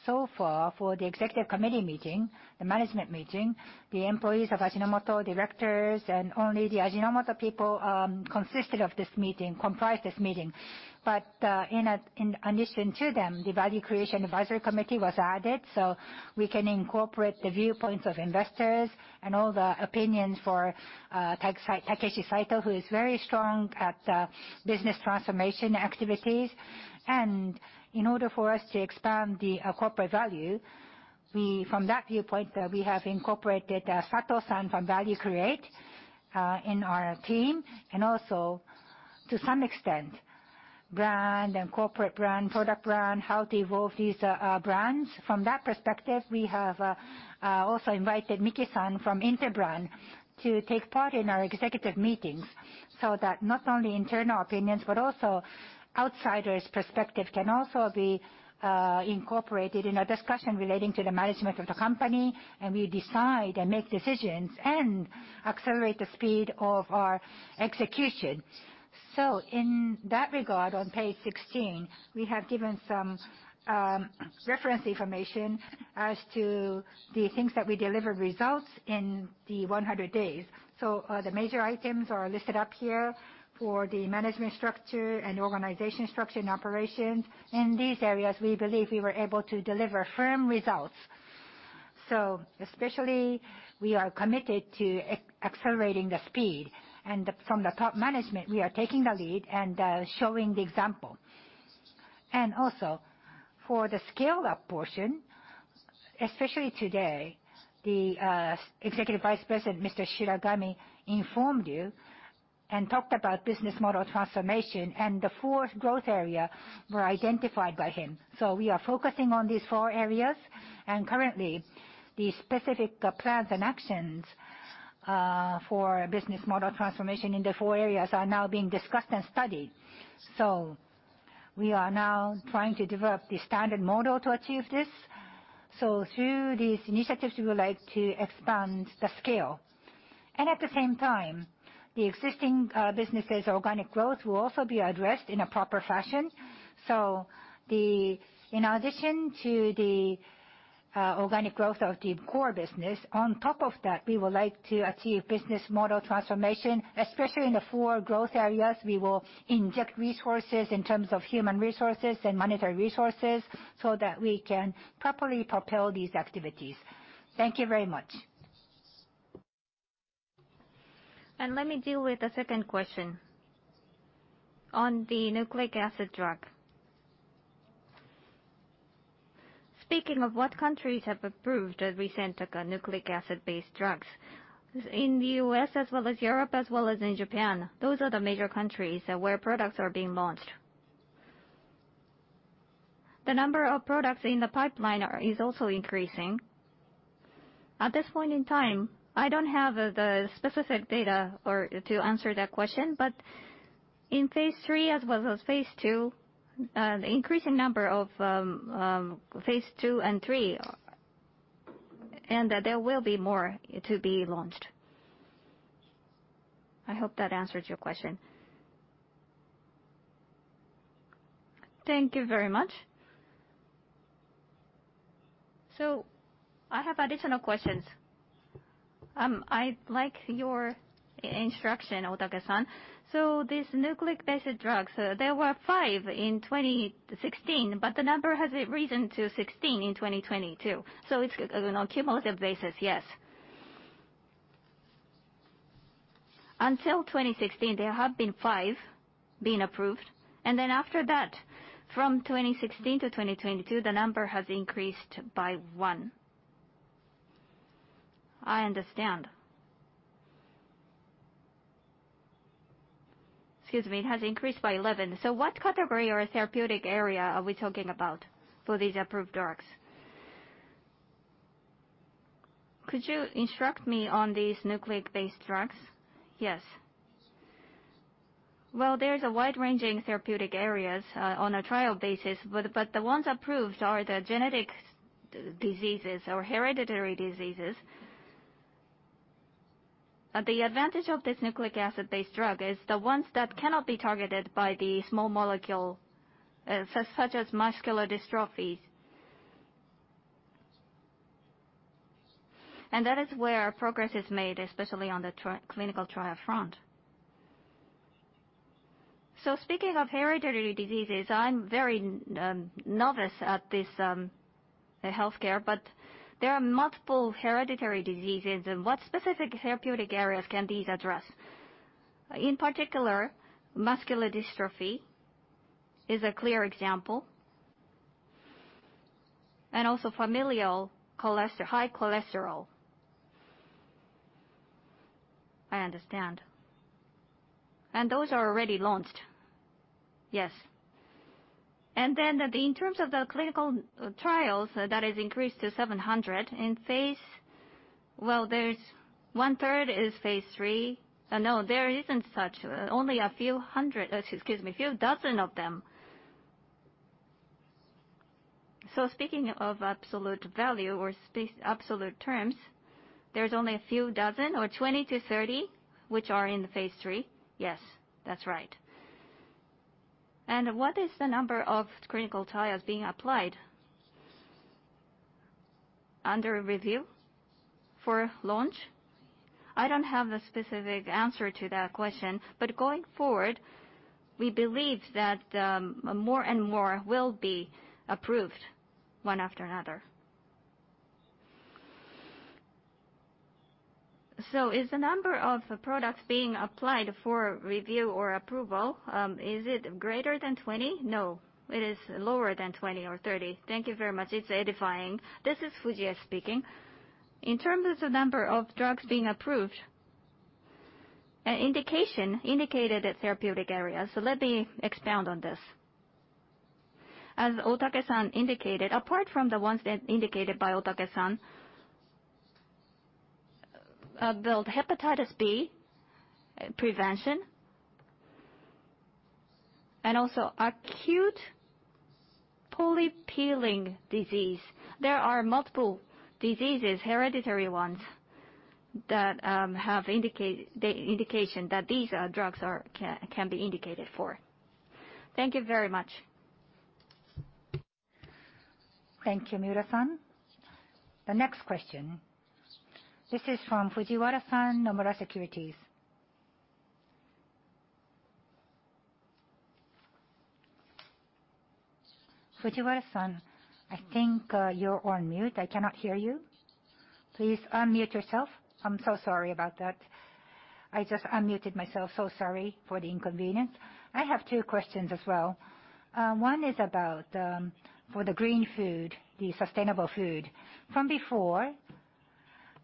So far, for the executive committee meeting, the management meeting, the employees of Ajinomoto, directors, and only the Ajinomoto people comprised this meeting. In addition to them, the Value Creation Advisory Board was added. We can incorporate the viewpoints of investors and all the opinions for Takeshi Saito, who is very strong at the business transformation activities. In order for us to expand the corporate value, from that viewpoint, we have incorporated Saito-san from Value Create in our team. Also, to some extent, brand and corporate brand, product brand, how to evolve these brands. From that perspective, we have also invited Miki-san from Interbrand to take part in our executive meetings so that not only internal opinions, but also outsiders' perspective can also be incorporated in our discussion relating to the management of the company. We decide and make decisions and accelerate the speed of our execution. In that regard, on page 16, we have given some reference information as to the things that we delivered results in the 100 days. The major items are listed up here for the management structure and organization structure and operations. In these areas, we believe we were able to deliver firm results. Especially, we are committed to accelerating the speed. From the top management, we are taking the lead and showing the example. Also, for the scale-up portion, especially today, the Executive Vice President, Mr. Shiragami, informed you and talked about business model transformation, and the four growth areas were identified by him. We are focusing on these four areas. Currently, the specific plans and actions for business model transformation in the four areas are now being discussed and studied. We are now trying to develop the standard model to achieve this. Through these initiatives, we would like to expand the scale. At the same time, the existing business' organic growth will also be addressed in a proper fashion. In addition to the organic growth of the core business, on top of that, we would like to achieve business model transformation. Especially in the four growth areas, we will inject resources in terms of human resources and monetary resources so that we can properly propel these activities. Thank you very much. Let me deal with the second question. On the nucleic acid drug. Speaking of what countries have approved recent nucleic acid-based drugs, in the U.S. as well as Europe, as well as in Japan, those are the major countries where products are being launched. The number of products in the pipeline is also increasing. At this point in time, I don't have the specific data to answer that question. In phase III as well as phase II, the increasing number of phase II and III, and there will be more to be launched. I hope that answers your question. Thank you very much. I have additional questions. I like your instruction, Otake-san. These nucleic-based drugs, there were five in 2016, but the number has risen to 16 in 2022. It's on a cumulative basis, yes. Until 2016, there have been five being approved, and then after that, from 2016 to 2022, the number has increased by one. I understand. Excuse me, it has increased by 11. What category or therapeutic area are we talking about for these approved drugs? Could you instruct me on these nucleic-based drugs? Yes. There's a wide-ranging therapeutic areas on a trial basis, but the ones approved are the genetic diseases or hereditary diseases. The advantage of this nucleic acid-based drug is the ones that cannot be targeted by the small molecule, such as muscular dystrophies. That is where progress is made, especially on the clinical trial front. Speaking of hereditary diseases, I'm very novice at this healthcare, but there are multiple hereditary diseases. What specific therapeutic areas can these address? In particular, muscular dystrophy is a clear example. Also familial hypercholesterolemia. I understand. Those are already launched? Yes. In terms of the clinical trials, that has increased to 700 in phase. One-third is phase III. No, there isn't such. Only a few hundred, a few dozen of them. Speaking of absolute value or absolute terms, there's only a few dozen or 20-30 which are in the phase III? Yes, that's right. What is the number of clinical trials being applied? Under review for launch? I don't have a specific answer to that question, but going forward, we believe that more and more will be approved one after another. Is the number of products being applied for review or approval, is it greater than 20? No, it is lower than 20 or 30. Thank you very much. It's edifying. This is Fujie speaking. In terms of the number of drugs being approved, an indication indicated a therapeutic area. Let me expound on this. As Otake-san indicated, apart from the ones indicated by Otake-san, the hepatitis B prevention and also acute poliomyelitis disease. There are multiple diseases, hereditary ones, that have the indication that these drugs can be indicated for. Thank you very much. Thank you, Miura-san. The next question, this is from Satoshi-san, Nomura Securities. Satoshi-san, I think you're on mute. I cannot hear you. Please unmute yourself. I'm so sorry about that. I just unmuted myself. So sorry for the inconvenience. I have two questions as well. One is about for the green food, the sustainable food. From before,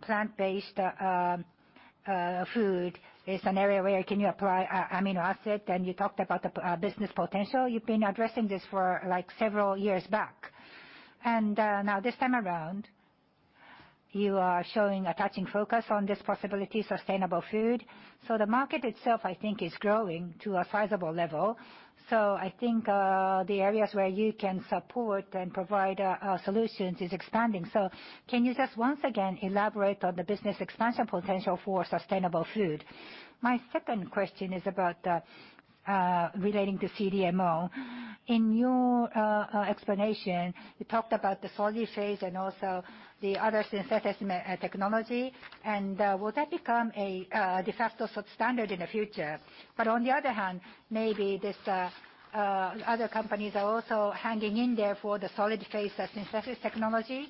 plant-based food is an area where you can apply amino acid, and you talked about the business potential. You've been addressing this for several years back. Now this time around, you are showing a touching focus on this possibility, sustainable food. The market itself, I think, is growing to a sizable level. I think the areas where you can support and provide solutions is expanding. Can you just once again elaborate on the business expansion potential for sustainable food? My second question is relating to CDMO. In your explanation, you talked about the solid phase and also the other synthesis technology, and will that become a de facto standard in the future? On the other hand, maybe these other companies are also hanging in there for the solid phase as synthesis technology.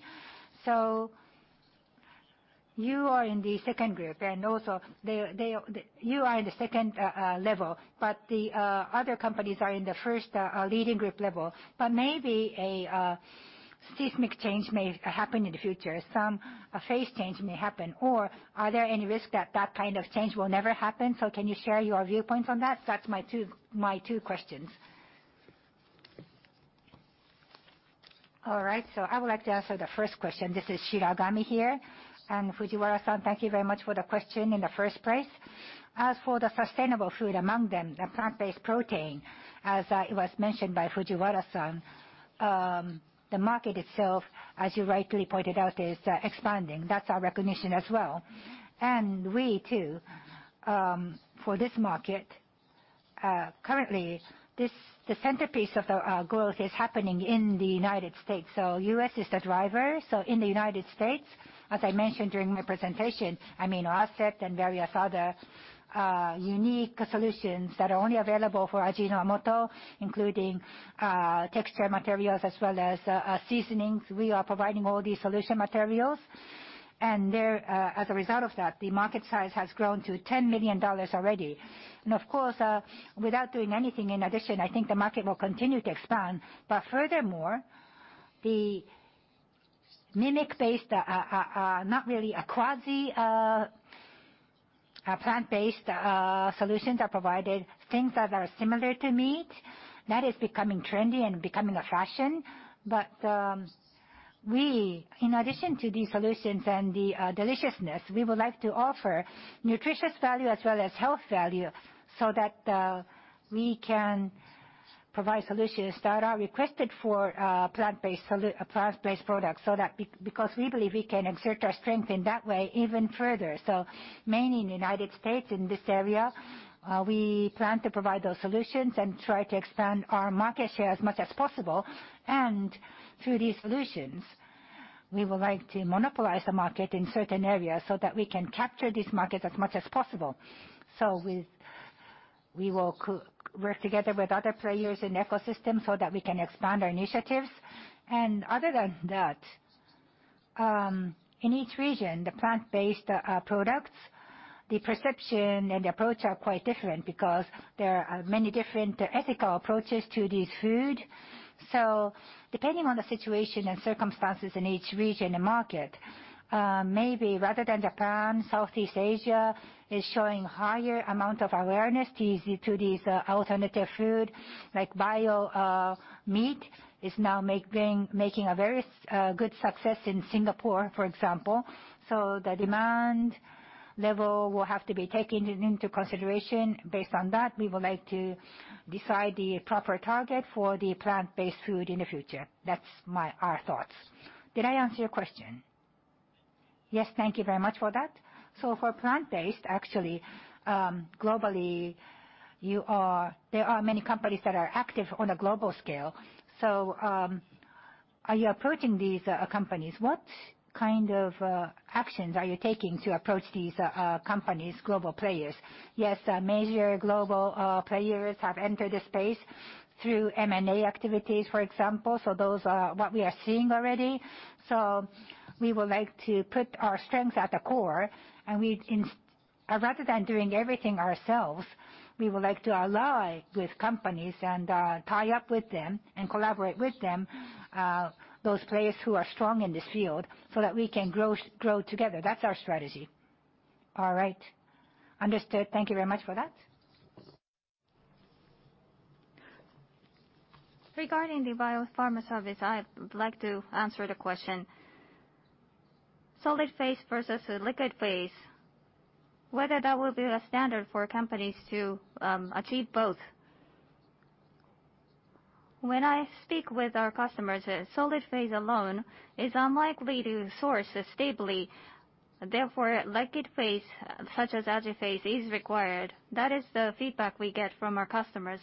You are in the second group and also you are in the second level, but the other companies are in the first leading group level. Maybe a seismic change may happen in the future, some phase change may happen. Are there any risks that that kind of change will never happen? Can you share your viewpoint on that? That's my two questions. All right, I would like to answer the first question. This is Shiragami here. Satoshi-san, thank you very much for the question in the first place. As for the sustainable food, among them, the plant-based protein, as it was mentioned by Satoshi-san, the market itself, as you rightly pointed out, is expanding. That's our recognition as well. We too, for this market, currently, the centerpiece of the growth is happening in the United States. U.S. is the driver. In the U.S., as I mentioned during my presentation, amino acid and various other unique solutions that are only available for Ajinomoto, including texture materials as well as seasonings. We are providing all these solution materials. As a result of that, the market size has grown to JPY 10 million already. Of course, without doing anything in addition, I think the market will continue to expand. Furthermore, the mimic-based, quasi plant-based solutions are provided, things that are similar to meat. That is becoming trendy and becoming a fashion. We, in addition to these solutions and the deliciousness, we would like to offer nutritious value as well as health value so that we can provide solutions that are requested for plant-based products. We believe we can exert our strength in that way even further. Mainly in the U.S., in this area, we plan to provide those solutions and try to expand our market share as much as possible. Through these solutions, we would like to monopolize the market in certain areas so that we can capture this market as much as possible. We will work together with other players in ecosystem so that we can expand our initiatives. Other than that, in each region, the plant-based products, the perception and the approach are quite different because there are many different ethical approaches to this food. Depending on the situation and circumstances in each region and market, maybe rather than Japan, Southeast Asia is showing higher amount of awareness to these alternative food, like cultivated meat is now making a very good success in Singapore, for example. The demand level will have to be taken into consideration. Based on that, we would like to decide the proper target for the plant-based food in the future. That's our thoughts. Did I answer your question? Yes. Thank you very much for that. For plant-based, actually, globally, there are many companies that are active on a global scale. Are you approaching these companies? What kind of actions are you taking to approach these companies, global players? Yes. Major global players have entered the space through M&A activities, for example. Those are what we are seeing already. We would like to put our strengths at the core, and rather than doing everything ourselves, we would like to ally with companies and tie up with them and collaborate with them, those players who are strong in this field, so that we can grow together. That's our strategy. All right. Understood. Thank you very much for that. Regarding the Bio-Pharma Services, I would like to answer the question. Solid phase versus liquid phase, whether that will be the standard for companies to achieve both. When I speak with our customers, solid phase alone is unlikely to source stably. Therefore, liquid phase, such as AJIPHASE, is required. That is the feedback we get from our customers,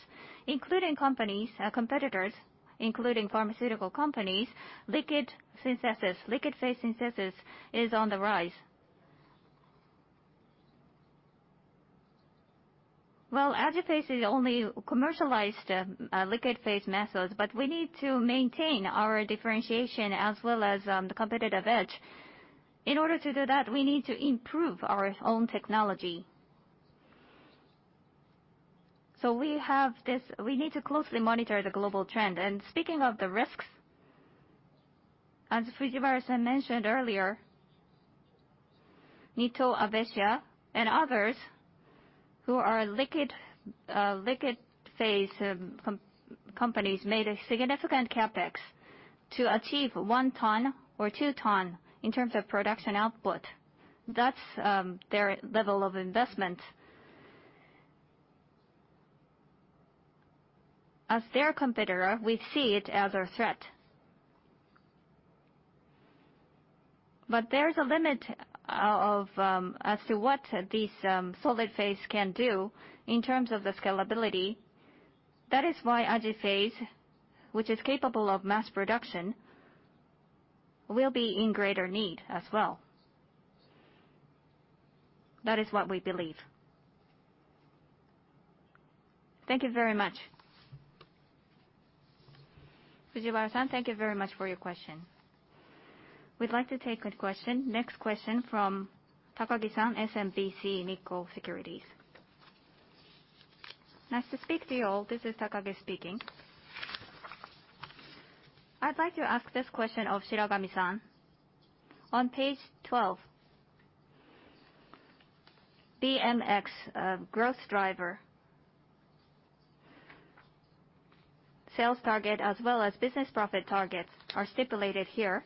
including companies, competitors, including pharmaceutical companies. Liquid phase synthesis is on the rise. AJIPHASE is only commercialized liquid phase methods, but we need to maintain our differentiation as well as the competitive edge. In order to do that, we need to improve our own technology. We need to closely monitor the global trend. Speaking of the risks, as Satoshi-san mentioned earlier, Nitto, Avecia, and others who are liquid phase companies, made a significant CapEx to achieve one ton or two tons in terms of production output. That's their level of investment. As their competitor, we see it as a threat. There is a limit as to what this solid phase can do in terms of the scalability. That is why AJIPHASE, which is capable of mass production, will be in greater need as well. That is what we believe. Thank you very much. Satoshi-san, thank you very much for your question. We'd like to take a question. Next question from Takagi-san, SMBC Nikko Securities. Nice to speak to you all. This is Takagi speaking. I'd like to ask this question of Shiragami-san. On page 12, BMX growth driver, sales target as well as business profit targets are stipulated here.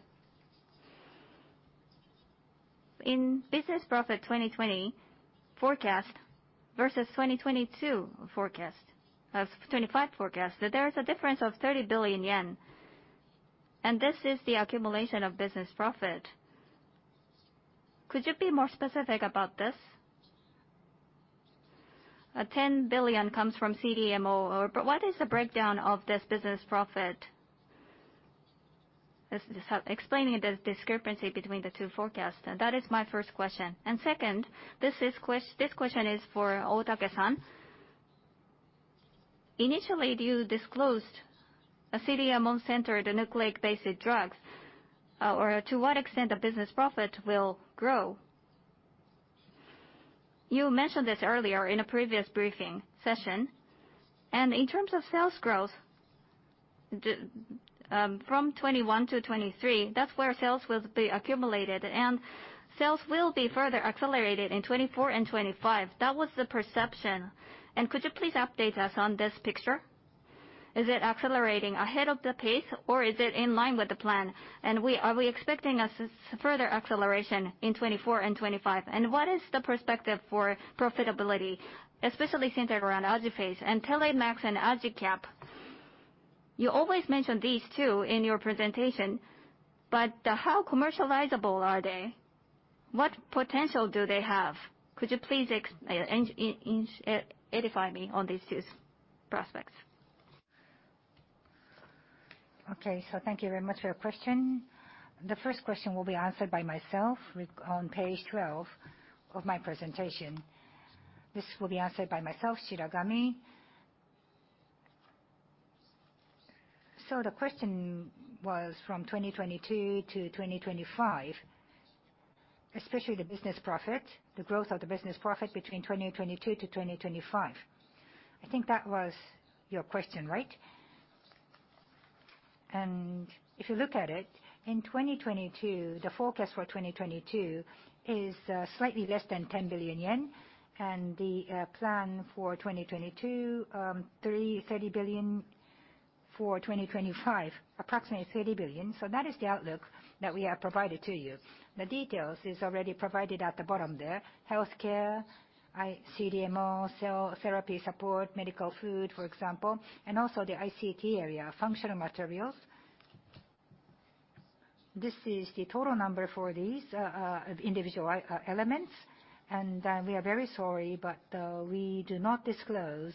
In business profit 2020 forecast versus 2025 forecast, there is a difference of 30 billion yen, and this is the accumulation of business profit. Could you be more specific about this? 10 billion comes from CDMO. What is the breakdown of this business profit? Explaining the discrepancy between the two forecasts. That is my first question. Second, this question is for Otake-san. Initially, you disclosed a CDMO center, the nucleic basic drugs. To what extent the business profit will grow? You mentioned this earlier in a previous briefing session. In terms of sales growth, from 2021 to 2023, that's where sales will be accumulated, and sales will be further accelerated in 2024 and 2025. That was the perception. Could you please update us on this picture? Is it accelerating ahead of the pace, or is it in line with the plan? Are we expecting a further acceleration in 2024 and 2025? What is the perspective for profitability, especially centered around AJIPHASE and TALEMAX and AJICAP? You always mention these two in your presentation, but how commercializable are they? What potential do they have? Could you please edify me on these two prospects? Thank you very much for your question. The first question will be answered by myself on page 12 of my presentation. This will be answered by myself, Mr. Shiragami. The question was from 2022 to 2025, especially the business profit, the growth of the business profit between 2022 to 2025. I think that was your question, right? If you look at it, in 2022, the forecast for 2022 is slightly less than 10 billion yen. The plan for 2022, 30 billion. For 2025, approximately 30 billion. That is the outlook that we have provided to you. The details are already provided at the bottom there. Healthcare, CDMO, cell therapy support, medical food, for example, also the ICT area, functional materials. This is the total number for these individual elements. We are very sorry, but we do not disclose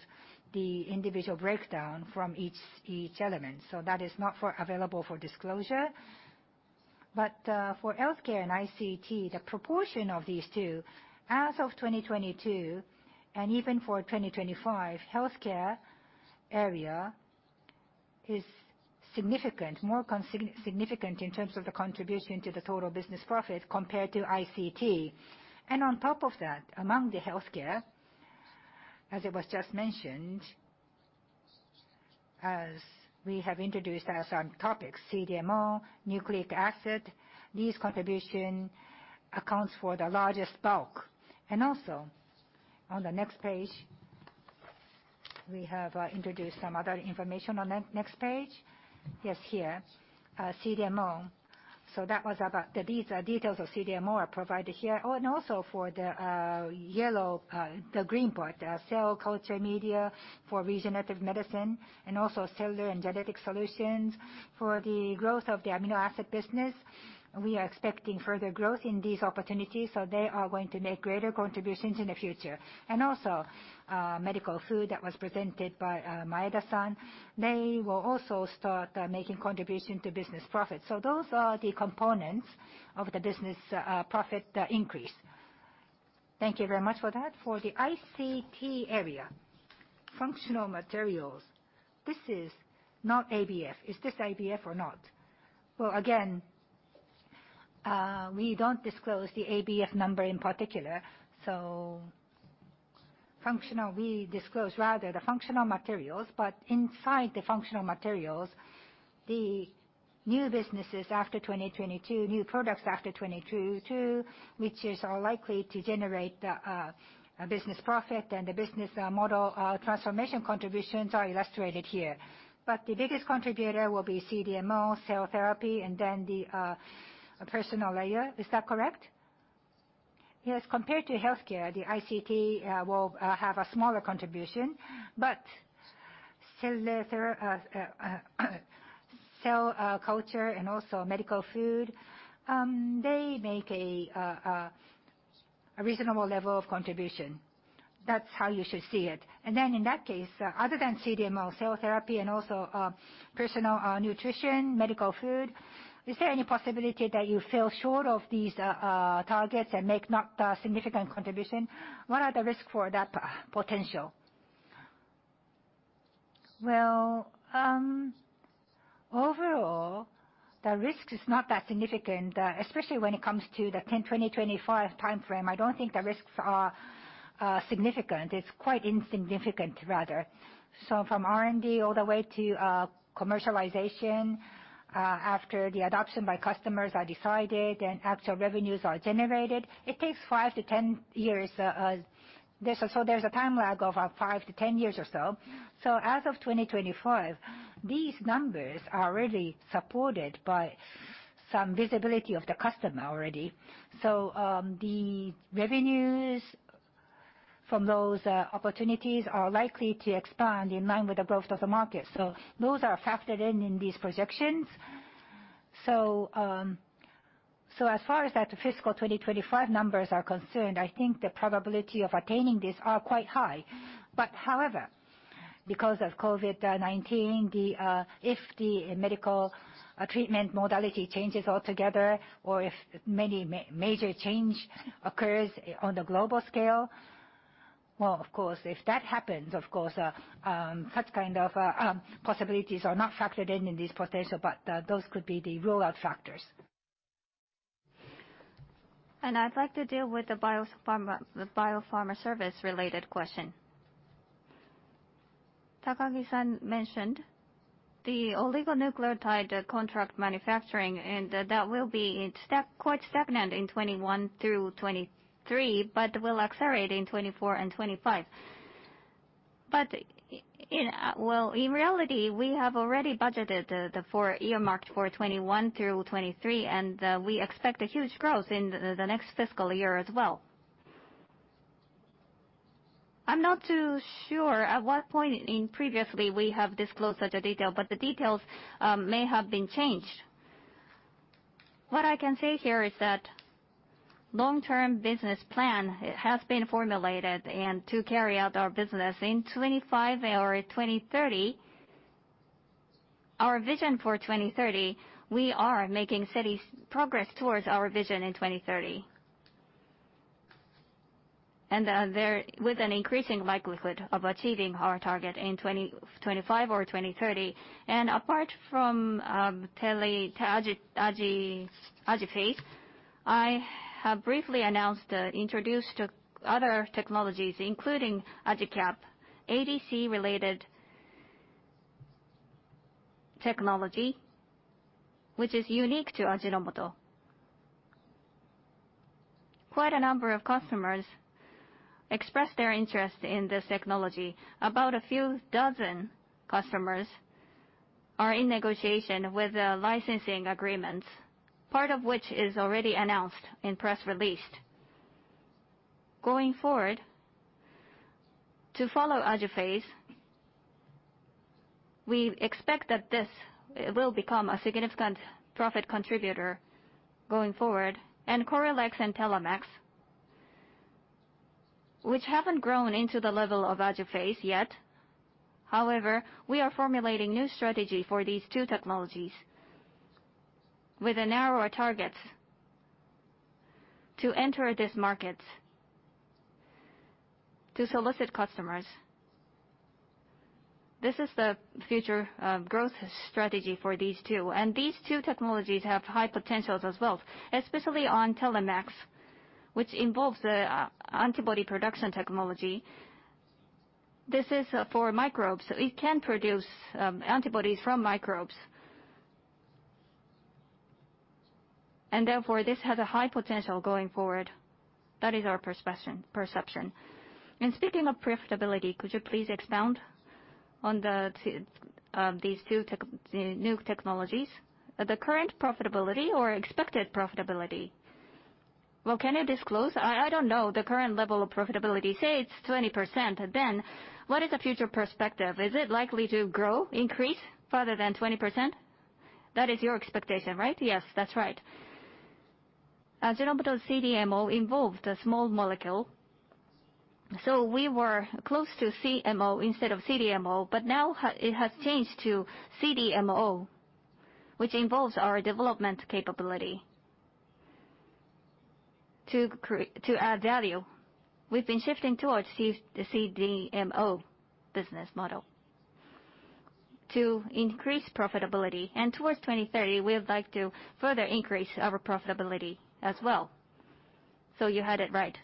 the individual breakdown from each element. That is not available for disclosure. For healthcare and ICT, the proportion of these two, as of 2022 and even for 2025, healthcare area is significant, more significant in terms of the contribution to the total business profit compared to ICT. On top of that, among the healthcare, as it was just mentioned, as we have introduced as on topics, CDMO, nucleic acid, these contribution accounts for the largest bulk. Also, on the next page, we have introduced some other information on the next page. Yes, here. CDMO. That was about the details of CDMO are provided here. Also for the green part, cell culture media for regenerative medicine and also cellular and genetic solutions. For the growth of the amino acid business, we are expecting further growth in these opportunities. They are going to make greater contributions in the future. Also, medical food that was presented by Maeda-san, they will also start making contribution to business profit. Those are the components of the business profit increase. Thank you very much for that. For the ICT area, functional materials, this is not ABF. Is this ABF or not? Again, we don't disclose the ABF number in particular, we disclose rather the functional materials, but inside the functional materials, the new businesses after 2022, new products after 2022, which are likely to generate the business profit and the business model transformation contributions are illustrated here. The biggest contributor will be CDMO, cell therapy, and then the personal nutrition. Is that correct? Yes. Compared to healthcare, the ICT will have a smaller contribution, cell culture and also medical food, they make a reasonable level of contribution. That's how you should see it. In that case, other than CDMO, cell therapy, and also personal nutrition, medical food, is there any possibility that you fall short of these targets and make not a significant contribution? What are the risks for that potential? Overall, the risk is not that significant, especially when it comes to the 2025 timeframe. I don't think the risks are significant. It's quite insignificant, rather. From R&D all the way to commercialization, after the adoption by customers are decided and actual revenues are generated, it takes 5 to 10 years. There's a time lag of 5 to 10 years or so. As of 2025, these numbers are really supported by some visibility of the customer already. The revenues from those opportunities are likely to expand in line with the growth of the market. Those are factored in in these projections. As far as the FY 2025 numbers are concerned, I think the probability of attaining this are quite high. However, because of COVID-19, if the medical treatment modality changes altogether or if major change occurs on the global scale, well, of course, if that happens, of course, such kind of possibilities are not factored in in this potential, but those could be the rule-out factors. I'd like to deal with the Bio-Pharma Services related question. Takagi-san mentioned the oligonucleotide contract manufacturing, that will be quite stagnant in 2021 through 2023, but will accelerate in 2024 and 2025. Well, in reality, we have already budgeted the year marked for 2021 through 2023, and we expect a huge growth in the next fiscal year as well. I'm not too sure at what point in previously we have disclosed such a detail, but the details may have been changed. What I can say here is that long-term business plan has been formulated, to carry out our business in 2025 or 2030, our vision for 2030, we are making steady progress towards our vision in 2030. With an increasing likelihood of achieving our target in 2025 or 2030. Apart from AJIPHASE, I have briefly announced, introduced other technologies including AJICAP, ADC-related technology, which is unique to Ajinomoto. Quite a number of customers expressed their interest in this technology. About a few dozen customers are in negotiation with the licensing agreements, part of which is already announced in press release. Going forward, to follow AJIPHASE, we expect that this will become a significant profit contributor going forward. CORYNEX and TALEMAX, which haven't grown into the level of AJIPHASE yet. However, we are formulating new strategy for these two technologies with narrower targets to enter these markets, to solicit customers. This is the future growth strategy for these two. These two technologies have high potentials as well, especially on TALEMAX, which involves the antibody production technology. This is for microbes. It can produce antibodies from microbes. Therefore, this has a high potential going forward. That is our perception. Speaking of profitability, could you please expound on these two new technologies? The current profitability or expected profitability? Well, can you disclose? I don't know the current level of profitability. Say it's 20%. What is the future perspective? Is it likely to grow, increase further than 20%? That is your expectation, right? Yes, that's right. Ajinomoto CDMO involved a small molecule, so we were close to CMO instead of CDMO. Now it has changed to CDMO, which involves our development capability. To add value, we've been shifting towards the CDMO business model to increase profitability. Towards 2030, we would like to further increase our profitability as well. You had it right.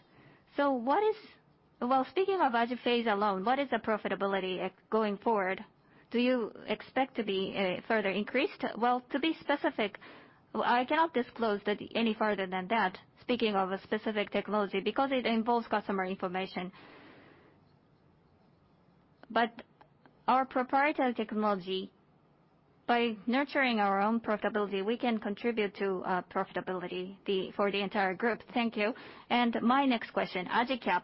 Speaking of AJIPHASE alone, what is the profitability going forward? Do you expect to be further increased? Well, to be specific, I cannot disclose any further than that, speaking of a specific technology, because it involves customer information. Our proprietary technology, by nurturing our own profitability, we can contribute to profitability for the entire group. Thank you. My next question, AJICAP.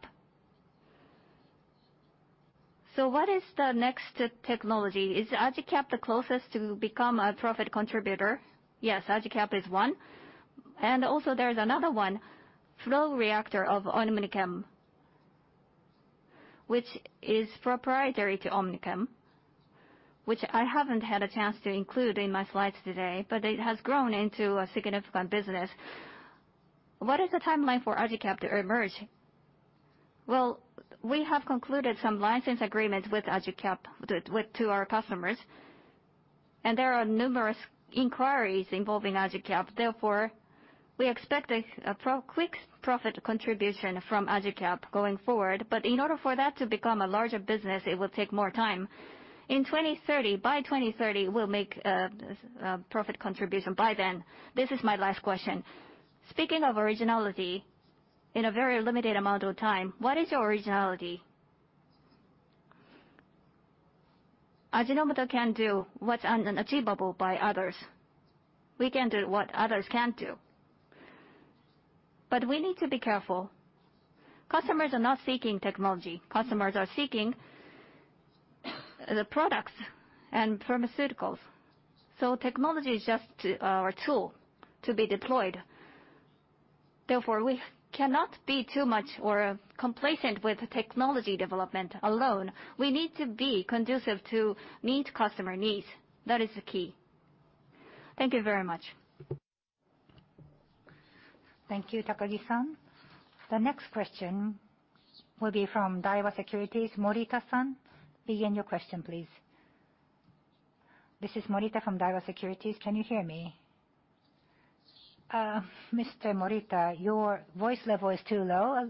What is the next technology? Is AJICAP the closest to become a profit contributor? Yes. AJICAP is one. Also there's another one, flow reactor of OmniChem, which is proprietary to OmniChem, which I haven't had a chance to include in my slides today, but it has grown into a significant business. What is the timeline for AJICAP to emerge? Well, we have concluded some license agreements with AJICAP to our customers, and there are numerous inquiries involving AJICAP. Therefore, we expect a quick profit contribution from AJICAP going forward. In order for that to become a larger business, it will take more time. In 2030, by 2030, we'll make a profit contribution by then. This is my last question. Speaking of originality in a very limited amount of time, what is your originality? Ajinomoto can do what's unachievable by others. We can do what others can't do. We need to be careful. Customers are not seeking technology. Customers are seeking the products and pharmaceuticals. Technology is just our tool to be deployed. Therefore, we cannot be too much or complacent with technology development alone. We need to be conducive to meet customer needs. That is the key. Thank you very much. Thank you, Takagi-san. The next question will be from Daiwa Securities. Hiroshi-san, begin your question, please. This is Hiroshi from Daiwa Securities. Can you hear me? Mr. Hiroshi, your voice level is too low.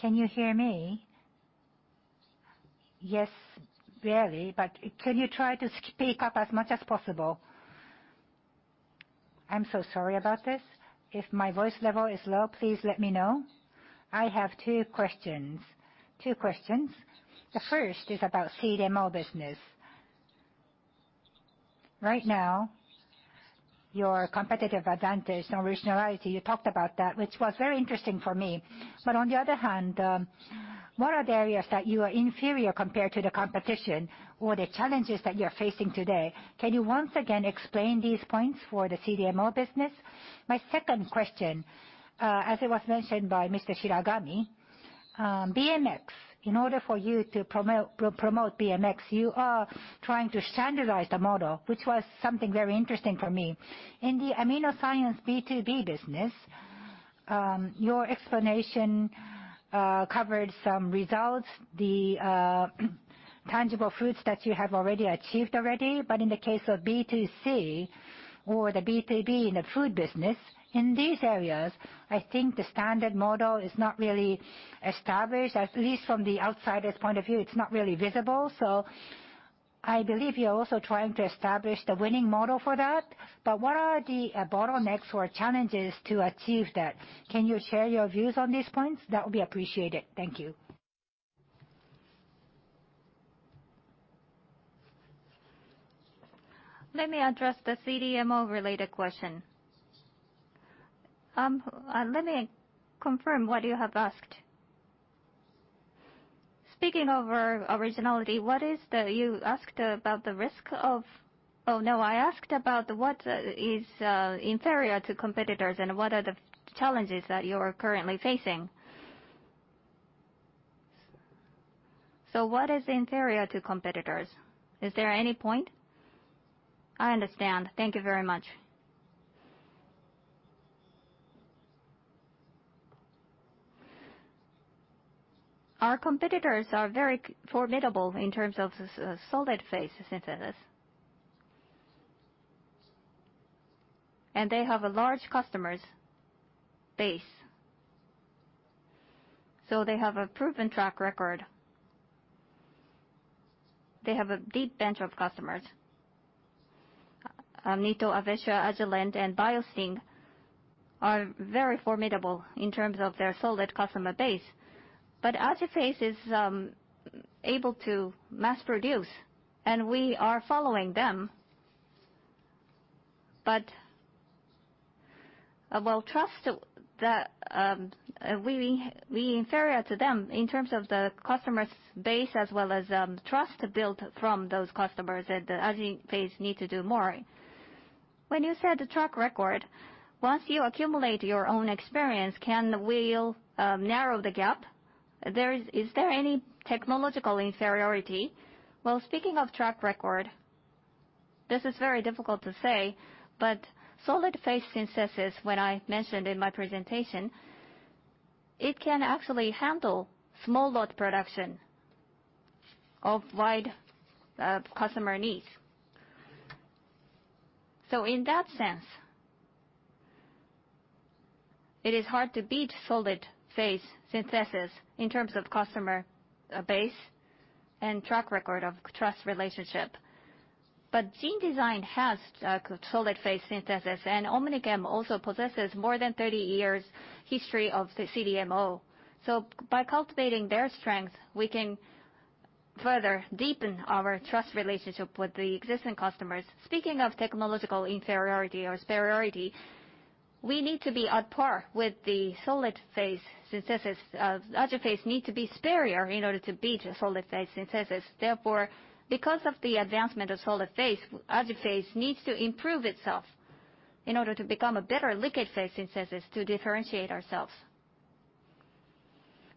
Can you hear me? Yes, barely. Can you try to speak up as much as possible? I'm so sorry about this. If my voice level is low, please let me know. I have two questions. The first is about CDMO business. Right now, your competitive advantage and originality, you talked about that, which was very interesting for me. On the other hand, what are the areas that you are inferior compared to the competition or the challenges that you're facing today? Can you once again explain these points for the CDMO business? My second question, as it was mentioned by Mr. Shiragami, BMX. In order for you to promote BMX, you are trying to standardize the model, which was something very interesting for me. In the AminoScience B2B business, your explanation covered some results, the tangible fruits that you have already achieved. In the case of B2C or the B2B in the food business, in these areas, I think the standard model is not really established. At least from the outsider's point of view, it's not really visible. I believe you're also trying to establish the winning model for that. What are the bottlenecks or challenges to achieve that? Can you share your views on these points? That would be appreciated. Thank you. Let me address the CDMO related question. Let me confirm what you have asked. Speaking of our originality, you asked about the risk of what is inferior to competitors, and what are the challenges that you are currently facing. What is inferior to competitors? Is there any point? I understand. Thank you very much. Our competitors are very formidable in terms of solid phase synthesis. They have a large customer base. They have a proven track record. They have a deep bench of customers. Nitto Avecia, Agilent, and BioSpring are very formidable in terms of their solid customer base. AJIPHASE is able to mass produce, and we are following them. Well, trust that we are inferior to them in terms of the customer base as well as trust built from those customers, and AJIPHASE needs to do more. When you said track record, once you accumulate your own experience, can we narrow the gap? Is there any technological inferiority? Well, speaking of track record, this is very difficult to say, solid phase synthesis, when I mentioned in my presentation, it can actually handle small load production of wide customer needs. In that sense, it is hard to beat solid phase synthesis in terms of customer base and track record of trust relationship. GeneDesign has solid phase synthesis, and OmniChem also possesses more than 30 years history of the CDMO. By cultivating their strength, we can further deepen our trust relationship with the existing customers. Speaking of technological inferiority or superiority, we need to be at par with the solid phase synthesis. AJIPHASE needs to be superior in order to beat solid phase synthesis. Because of the advancement of solid phase, AJIPHASE needs to improve itself in order to become a better liquid phase synthesis to differentiate ourselves,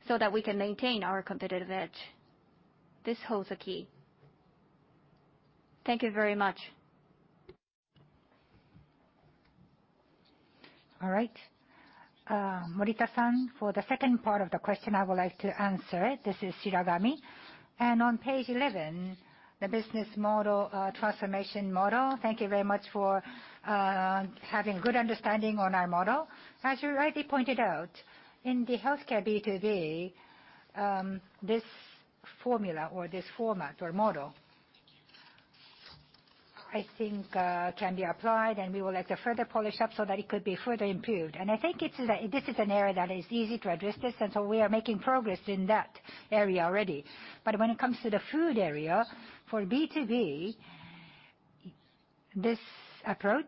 so that we can maintain our competitive edge. This holds the key. Thank you very much. All right. Morita-san, for the second part of the question, I would like to answer it. This is Shiragami. On page 11, the business model, transformation model. Thank you very much for having good understanding on our model. As you rightly pointed out, in the healthcare B2B, this formula or this format or model, I think, can be applied, and we would like to further polish up so that it could be further improved. I think this is an area that is easy to address this. We are making progress in that area already. When it comes to the food area, for B2B, this approach,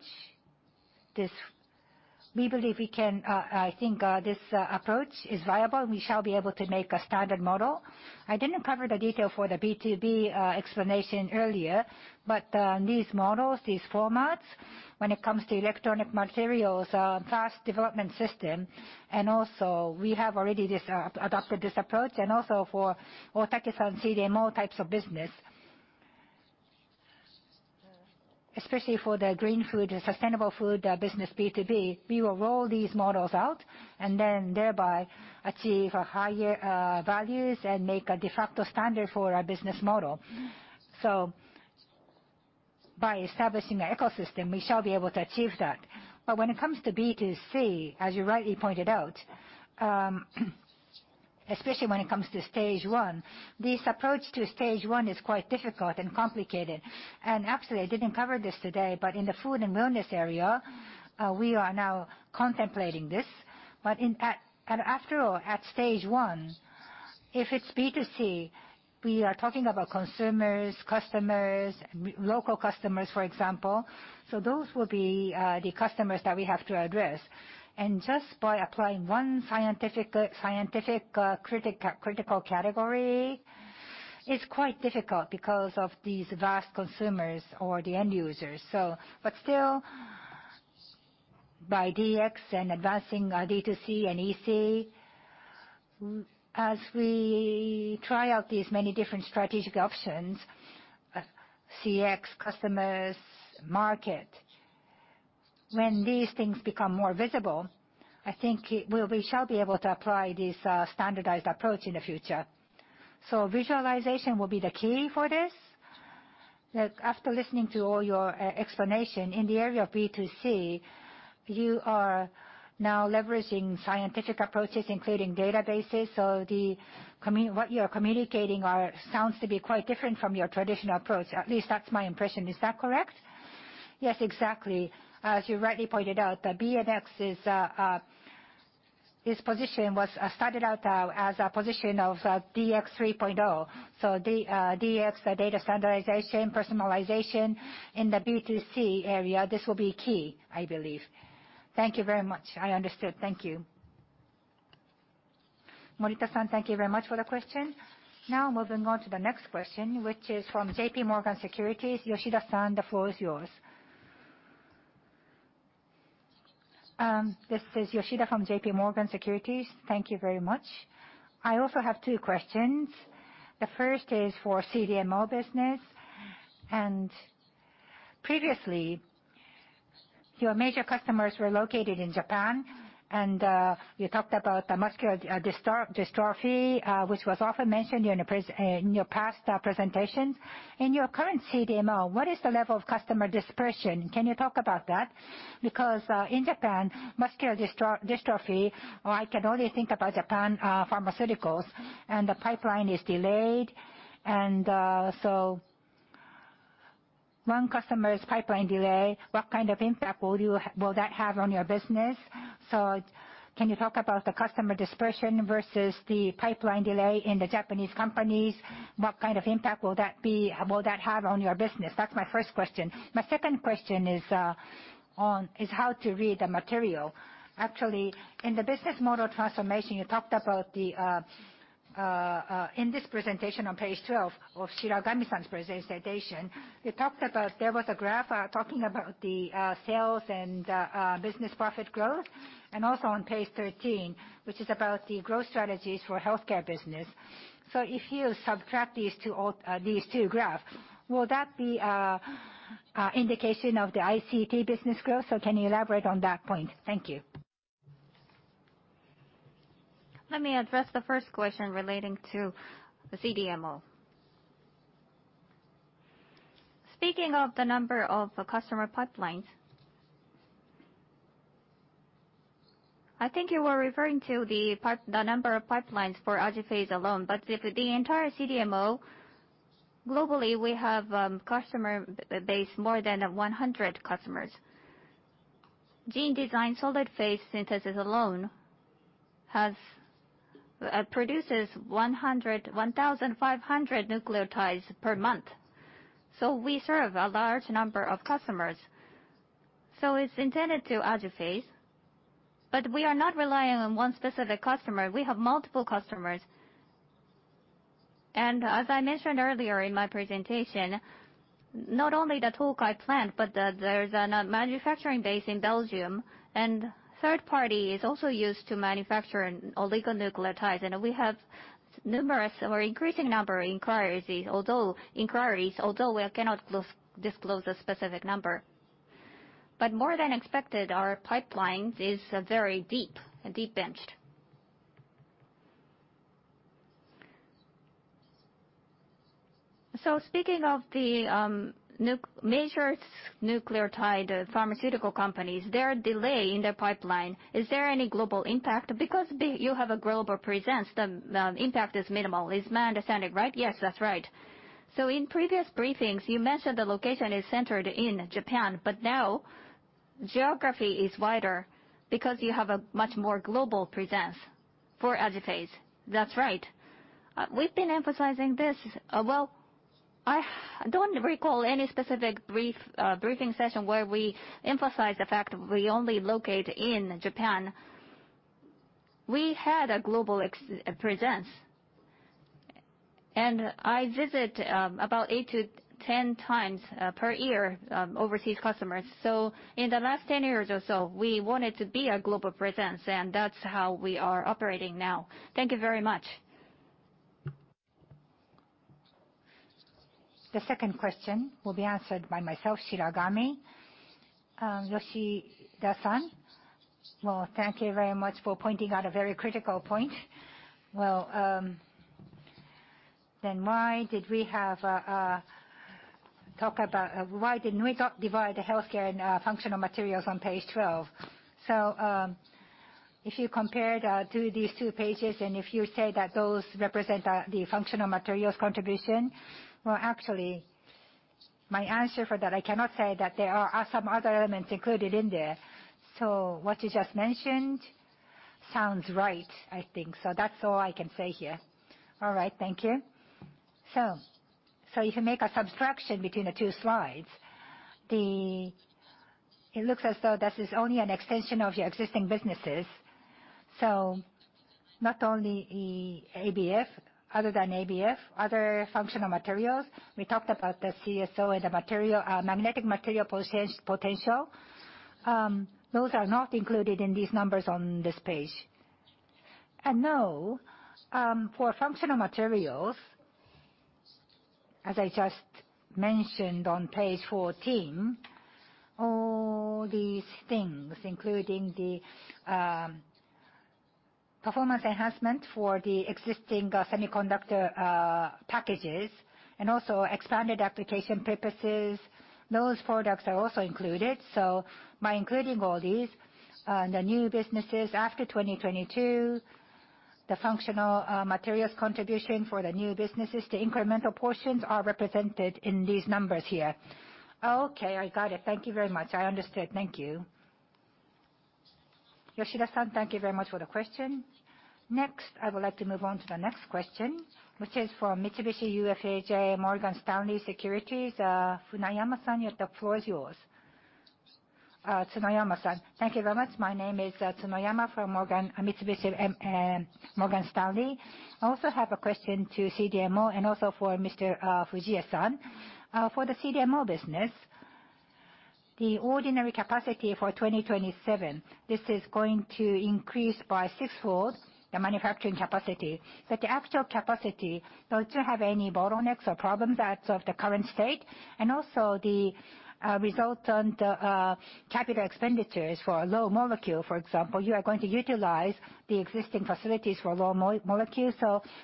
we believe this approach is viable, and we shall be able to make a standard model. I didn't cover the detail for the B2B explanation earlier, but these models, these formats, when it comes to electronic materials, fast development system, we have already adopted this approach. Mr. Otake CDMO types of business, especially for the green food and sustainable food business B2B, we will roll these models out, and thereby achieve higher values and make a de facto standard for our business model. By establishing an ecosystem, we shall be able to achieve that. But when it comes to B2C, as you rightly pointed out, especially when it comes to stage 1, this approach to stage 1 is quite difficult and complicated. Actually, I didn't cover this today, but in the food and wellness area, we are now contemplating this. But after all, at stage 1, if it's B2C, we are talking about consumers, customers, local customers, for example. Those will be the customers that we have to address. Just by applying 1 scientific critical category, it's quite difficult because of these vast consumers or the end users. But still, by DX and advancing our D2C and EC as we try out these many different strategic options, CX, customers, market, when these things become more visible, I think we shall be able to apply this standardized approach in the future. Visualization will be the key for this. After listening to all your explanation, in the area of B2C, you are now leveraging scientific approaches including databases. What you are communicating sounds to be quite different from your traditional approach. At least that's my impression. Is that correct? Yes, exactly. As you rightly pointed out, the BMX's position started out as a position of DX 3.0. DX, the data standardization, personalization in the B2C area, this will be key, I believe. Thank you very much. I understood. Thank you. Morita-san, thank you very much for the question. Moving on to the next question, which is from J.P. Morgan Securities. Yoshida-san, the floor is yours. This is Yoshida from J.P. Morgan Securities. Thank you very much. I also have two questions. The first is for CDMO business. Previously, your major customers were located in Japan, and you talked about the muscular dystrophy, which was often mentioned in your past presentations. In your current CDMO, what is the level of customer dispersion? Can you talk about that? Because in Japan, muscular dystrophy, I can only think about Nippon Shinyaku, and the pipeline is delayed. So one customer's pipeline delay, what kind of impact will that have on your business? Can you talk about the customer dispersion versus the pipeline delay in the Japanese companies? What kind of impact will that have on your business? That's my first question. My second question is on how to read the material. Actually, in the business model transformation, in this presentation on page 12 of Mr. Shiragami's presentation, there was a graph talking about the sales and business profit growth, and also on page 13, which is about the growth strategies for healthcare business. If you subtract these two graphs, will that be indication of the ICT business growth? Can you elaborate on that point? Thank you. Let me address the first question relating to the CDMO. Speaking of the number of customer pipelines, I think you were referring to the number of pipelines for AJIPHASE alone. But the entire CDMO, globally, we have customer base more than 100 customers. GeneDesign solid phase synthesis alone produces 1,500 nucleotides per month. We serve a large number of customers. It's intended to AJIPHASE, but we are not relying on one specific customer. We have multiple customers. As I mentioned earlier in my presentation, not only the Tokai Plant, but there's a manufacturing base in Belgium, and third party is also used to manufacture oligonucleotides. We have numerous or increasing number inquiries, although we cannot disclose the specific number. More than expected, our pipelines is very deep, deep-benched. Speaking of the major nucleotide pharmaceutical companies, their delay in their pipeline, is there any global impact? Because you have a global presence, the impact is minimal. Is my understanding right? Yes, that's right. In previous briefings, you mentioned the location is centered in Japan, but now geography is wider because you have a much more global presence for AJIPHASE. That's right. We've been emphasizing this. Well, I don't recall any specific briefing session where we emphasize the fact we only locate in Japan. We had a global presence, and I visit about 8 to 10 times per year overseas customers. In the last 10 years or so, we wanted to be a global presence, and that's how we are operating now. Thank you very much. The second question will be answered by myself, Shiragami. Yoshida-san, well, thank you very much for pointing out a very critical point. Well, why didn't we divide the healthcare and functional materials on page 12? If you compare these two pages and if you say that those represent the functional materials contribution, well, actually, my answer for that, I cannot say that there are some other elements included in there. What you just mentioned sounds right, I think. That's all I can say here. All right. Thank you. If you make a subtraction between the two slides, it looks as though this is only an extension of your existing businesses. Not only ABF, other than ABF, other functional materials, we talked about the CSO and the magnetic material potential. Those are not included in these numbers on this page. No, for functional materials, as I just mentioned on page 14, all these things, including the performance enhancement for the existing semiconductor packages and also expanded application purposes, those products are also included. By including all these, the new businesses after 2022, the functional materials contribution for the new businesses, the incremental portions are represented in these numbers here. Okay, I got it. Thank you very much. I understood. Thank you. Yoshida-san, thank you very much for the question. Next, I would like to move on to the next question, which is for Mitsubishi UFJ Morgan Stanley Securities, Funayama-san, the floor is yours. Tsunoyama-san. Thank you very much. My name is Tsunoyama from Mitsubishi Morgan Stanley. I also have a question to CDMO and also for Mr. Fujie-san. For the CDMO business, the ordinary capacity for 2027, this is going to increase by sixfold the manufacturing capacity. The actual capacity, don't you have any bottlenecks or problems as of the current state? The result on the capital expenditures for a small molecule, for example, you are going to utilize the existing facilities for small molecules.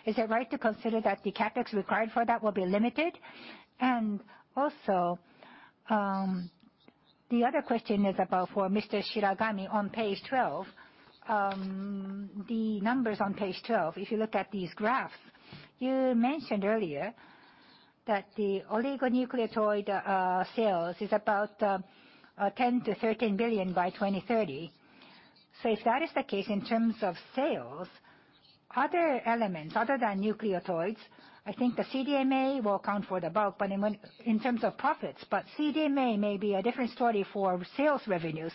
Is it right to consider that the CapEx required for that will be limited? The other question is for Mr. Shiragami on page 12. The numbers on page 12, if you look at these graphs, you mentioned earlier that the oligonucleotide sales is about 10 billion-13 billion by 2030. If that is the case in terms of sales, other elements other than oligonucleotides, I think the CDMO will account for the bulk in terms of profits, but CDMO may be a different story for sales revenue.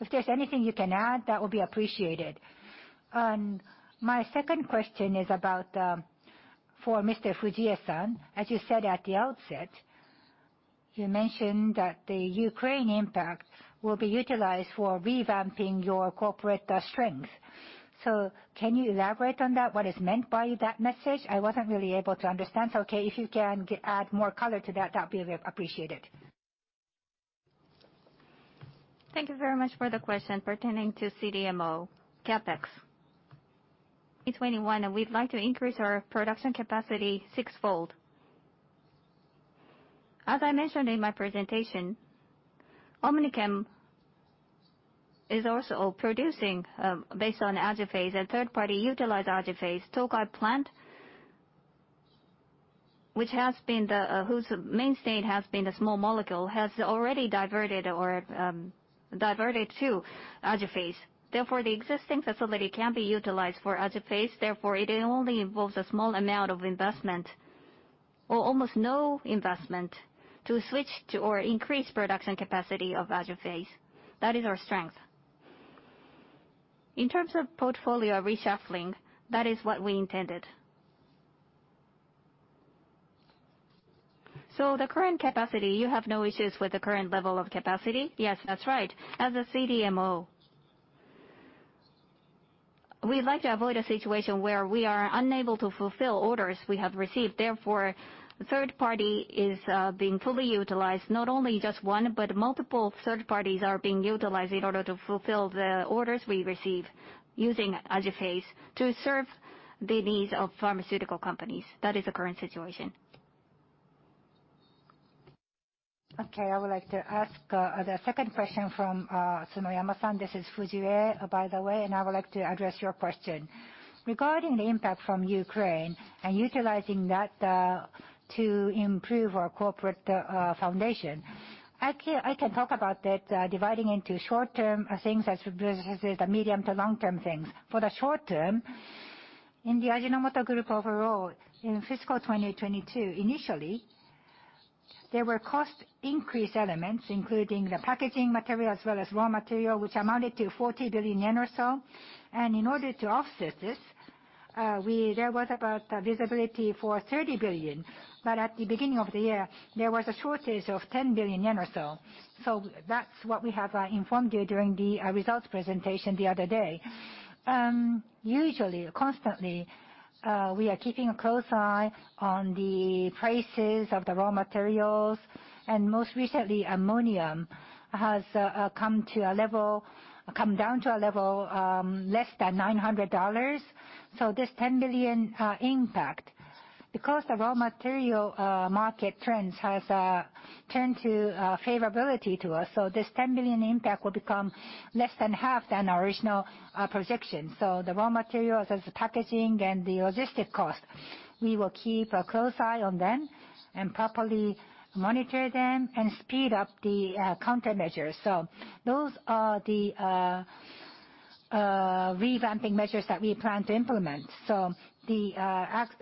If there's anything you can add, that would be appreciated. My second question is for Mr. Fujie-san. As you said at the outset, you mentioned that the Ukraine impact will be utilized for revamping your corporate strength. Can you elaborate on that? What is meant by that message? I wasn't really able to understand, if you can add more color to that'd be appreciated. Thank you very much for the question pertaining to CDMO CapEx. In 2021, we'd like to increase our production capacity sixfold. I mentioned in my presentation, OmniChem is also producing based on AJIPHASE and third party utilize AJIPHASE. Tokai plant, whose mainstay has been the small molecule, has already diverted to AJIPHASE. The existing facility can be utilized for AJIPHASE. It only involves a small amount of investment or almost no investment to switch to or increase production capacity of AJIPHASE. That is our strength. In terms of portfolio reshuffling, that is what we intended. The current capacity, you have no issues with the current level of capacity? Yes, that's right. As a CDMO, we like to avoid a situation where we are unable to fulfill orders we have received. Third party is being fully utilized. Not only just one, but multiple third parties are being utilized in order to fulfill the orders we receive using AJIPHASE to serve the needs of pharmaceutical companies. That is the current situation. Okay. I would like to ask the second question from Akinori-san. This is Fujie, by the way, I would like to address your question. Regarding the impact from Ukraine and utilizing that to improve our corporate foundation, I can talk about that dividing into short-term things as versus the medium to long-term things. For the short term, in the Ajinomoto Group overall, in fiscal 2022, initially, there were cost increase elements, including the packaging material as well as raw material, which amounted to 40 billion yen or so. In order to offset this, there was about visibility for 30 billion. At the beginning of the year, there was a shortage of 10 billion yen or so. That's what we have informed you during the results presentation the other day. Usually, constantly, we are keeping a close eye on the prices of the raw materials, and most recently, ammonium has come down to a level less than 900 dollars. This 10 billion impact, because the raw material market trends has turned to favorability to us, this 10 billion impact will become less than half than our original projection. The raw materials as the packaging and the logistic cost, we will keep a close eye on them and properly monitor them and speed up the countermeasures. Those are the revamping measures that we plan to implement. The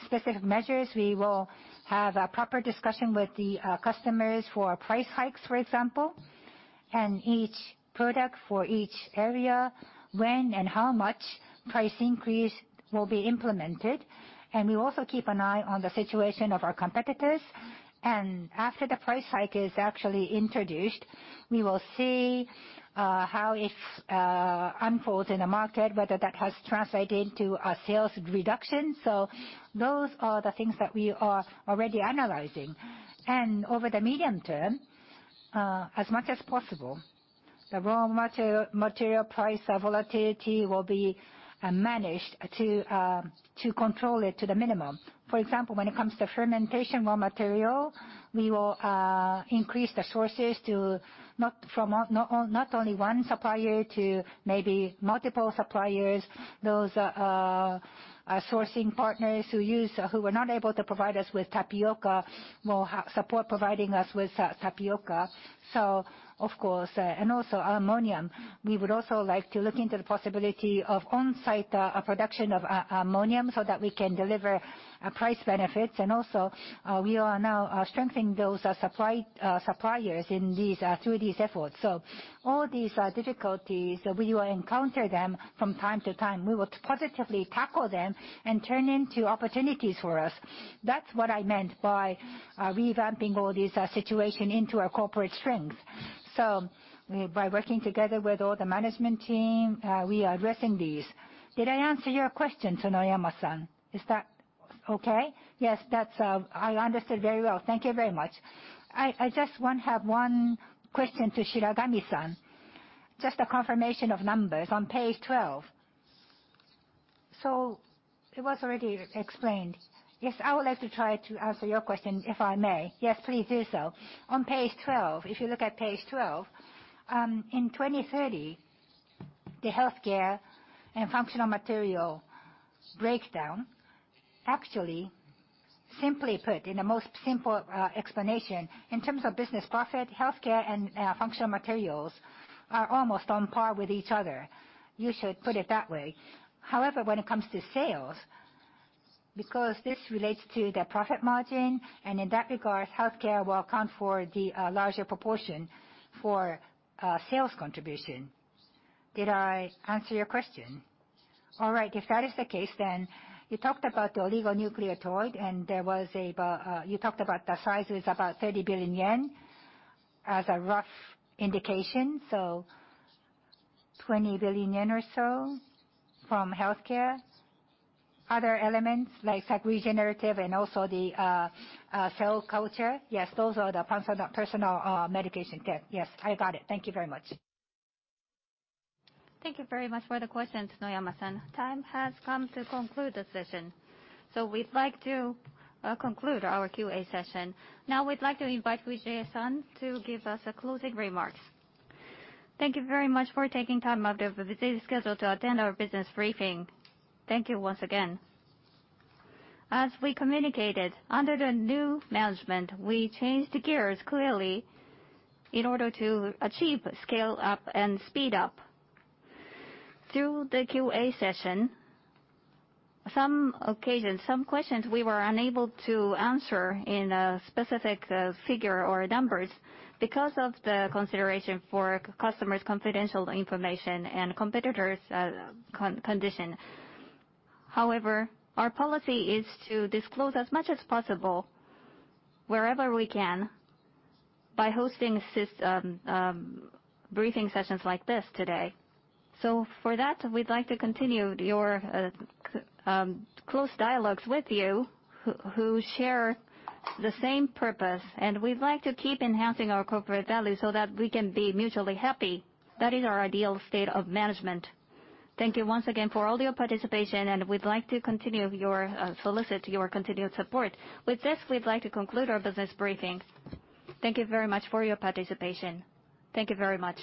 specific measures, we will have a proper discussion with the customers for price hikes, for example. Each product for each area, when and how much price increase will be implemented. We also keep an eye on the situation of our competitors. After the price hike is actually introduced, we will see how it unfolds in the market, whether that has translated into a sales reduction. Those are the things that we are already analyzing. Over the medium term, as much as possible, the raw material price volatility will be managed to control it to the minimum. For example, when it comes to fermentation raw material, we will increase the sources to not only one supplier to maybe multiple suppliers. Those sourcing partners who were not able to provide us with tapioca will support providing us with tapioca. Of course, and also ammonium. We would also like to look into the possibility of on-site production of ammonium so that we can deliver price benefits. Also we are now strengthening those suppliers through these efforts. All these are difficulties we will encounter them from time to time. We will positively tackle them and turn into opportunities for us. That's what I meant by revamping all these situation into our corporate strength. By working together with all the management team, we are addressing these. Did I answer your question, Tonoyama-san? Is that okay? Yes. I understood very well. Thank you very much. I just have one question to Shiragami-san. Just a confirmation of numbers on page 12. It was already explained. Yes, I would like to try to answer your question, if I may. Yes, please do so. On page 12. If you look at page 12. In 2030, the healthcare and functional material breakdown, actually simply put in the most simple explanation in terms of business profit, healthcare and functional materials are almost on par with each other. You should put it that way. However, when it comes to sales, because this relates to the profit margin, and in that regard, healthcare will account for the larger proportion for sales contribution. Did I answer your question? All right. If that is the case, then you talked about the oligonucleotide, and you talked about the size was about 30 billion yen as a rough indication. 20 billion yen or so from healthcare. Other elements like regenerative and also the cell culture. Yes. Those are the personal medication tier. Yes. I got it. Thank you very much. Thank you very much for the question, Tonoyama-san. Time has come to conclude the session. We'd like to conclude our QA session. Now we'd like to invite Fujii-san to give us a closing remarks. Thank you very much for taking time out of your busy schedule to attend our business briefing. Thank you once again. As we communicated under the new management, we changed gears clearly in order to achieve scale-up and speed up. Through the QA session, some occasions, some questions we were unable to answer in a specific figure or numbers because of the consideration for customers' confidential information and competitors' condition. However, our policy is to disclose as much as possible wherever we can by hosting briefing sessions like this today. For that, we'd like to continue close dialogues with you who share the same purpose, and we'd like to keep enhancing our corporate value so that we can be mutually happy. That is our ideal state of management. Thank you once again for all your participation, and we'd like to solicit your continued support. With this, we'd like to conclude our business briefing. Thank you very much for your participation. Thank you very much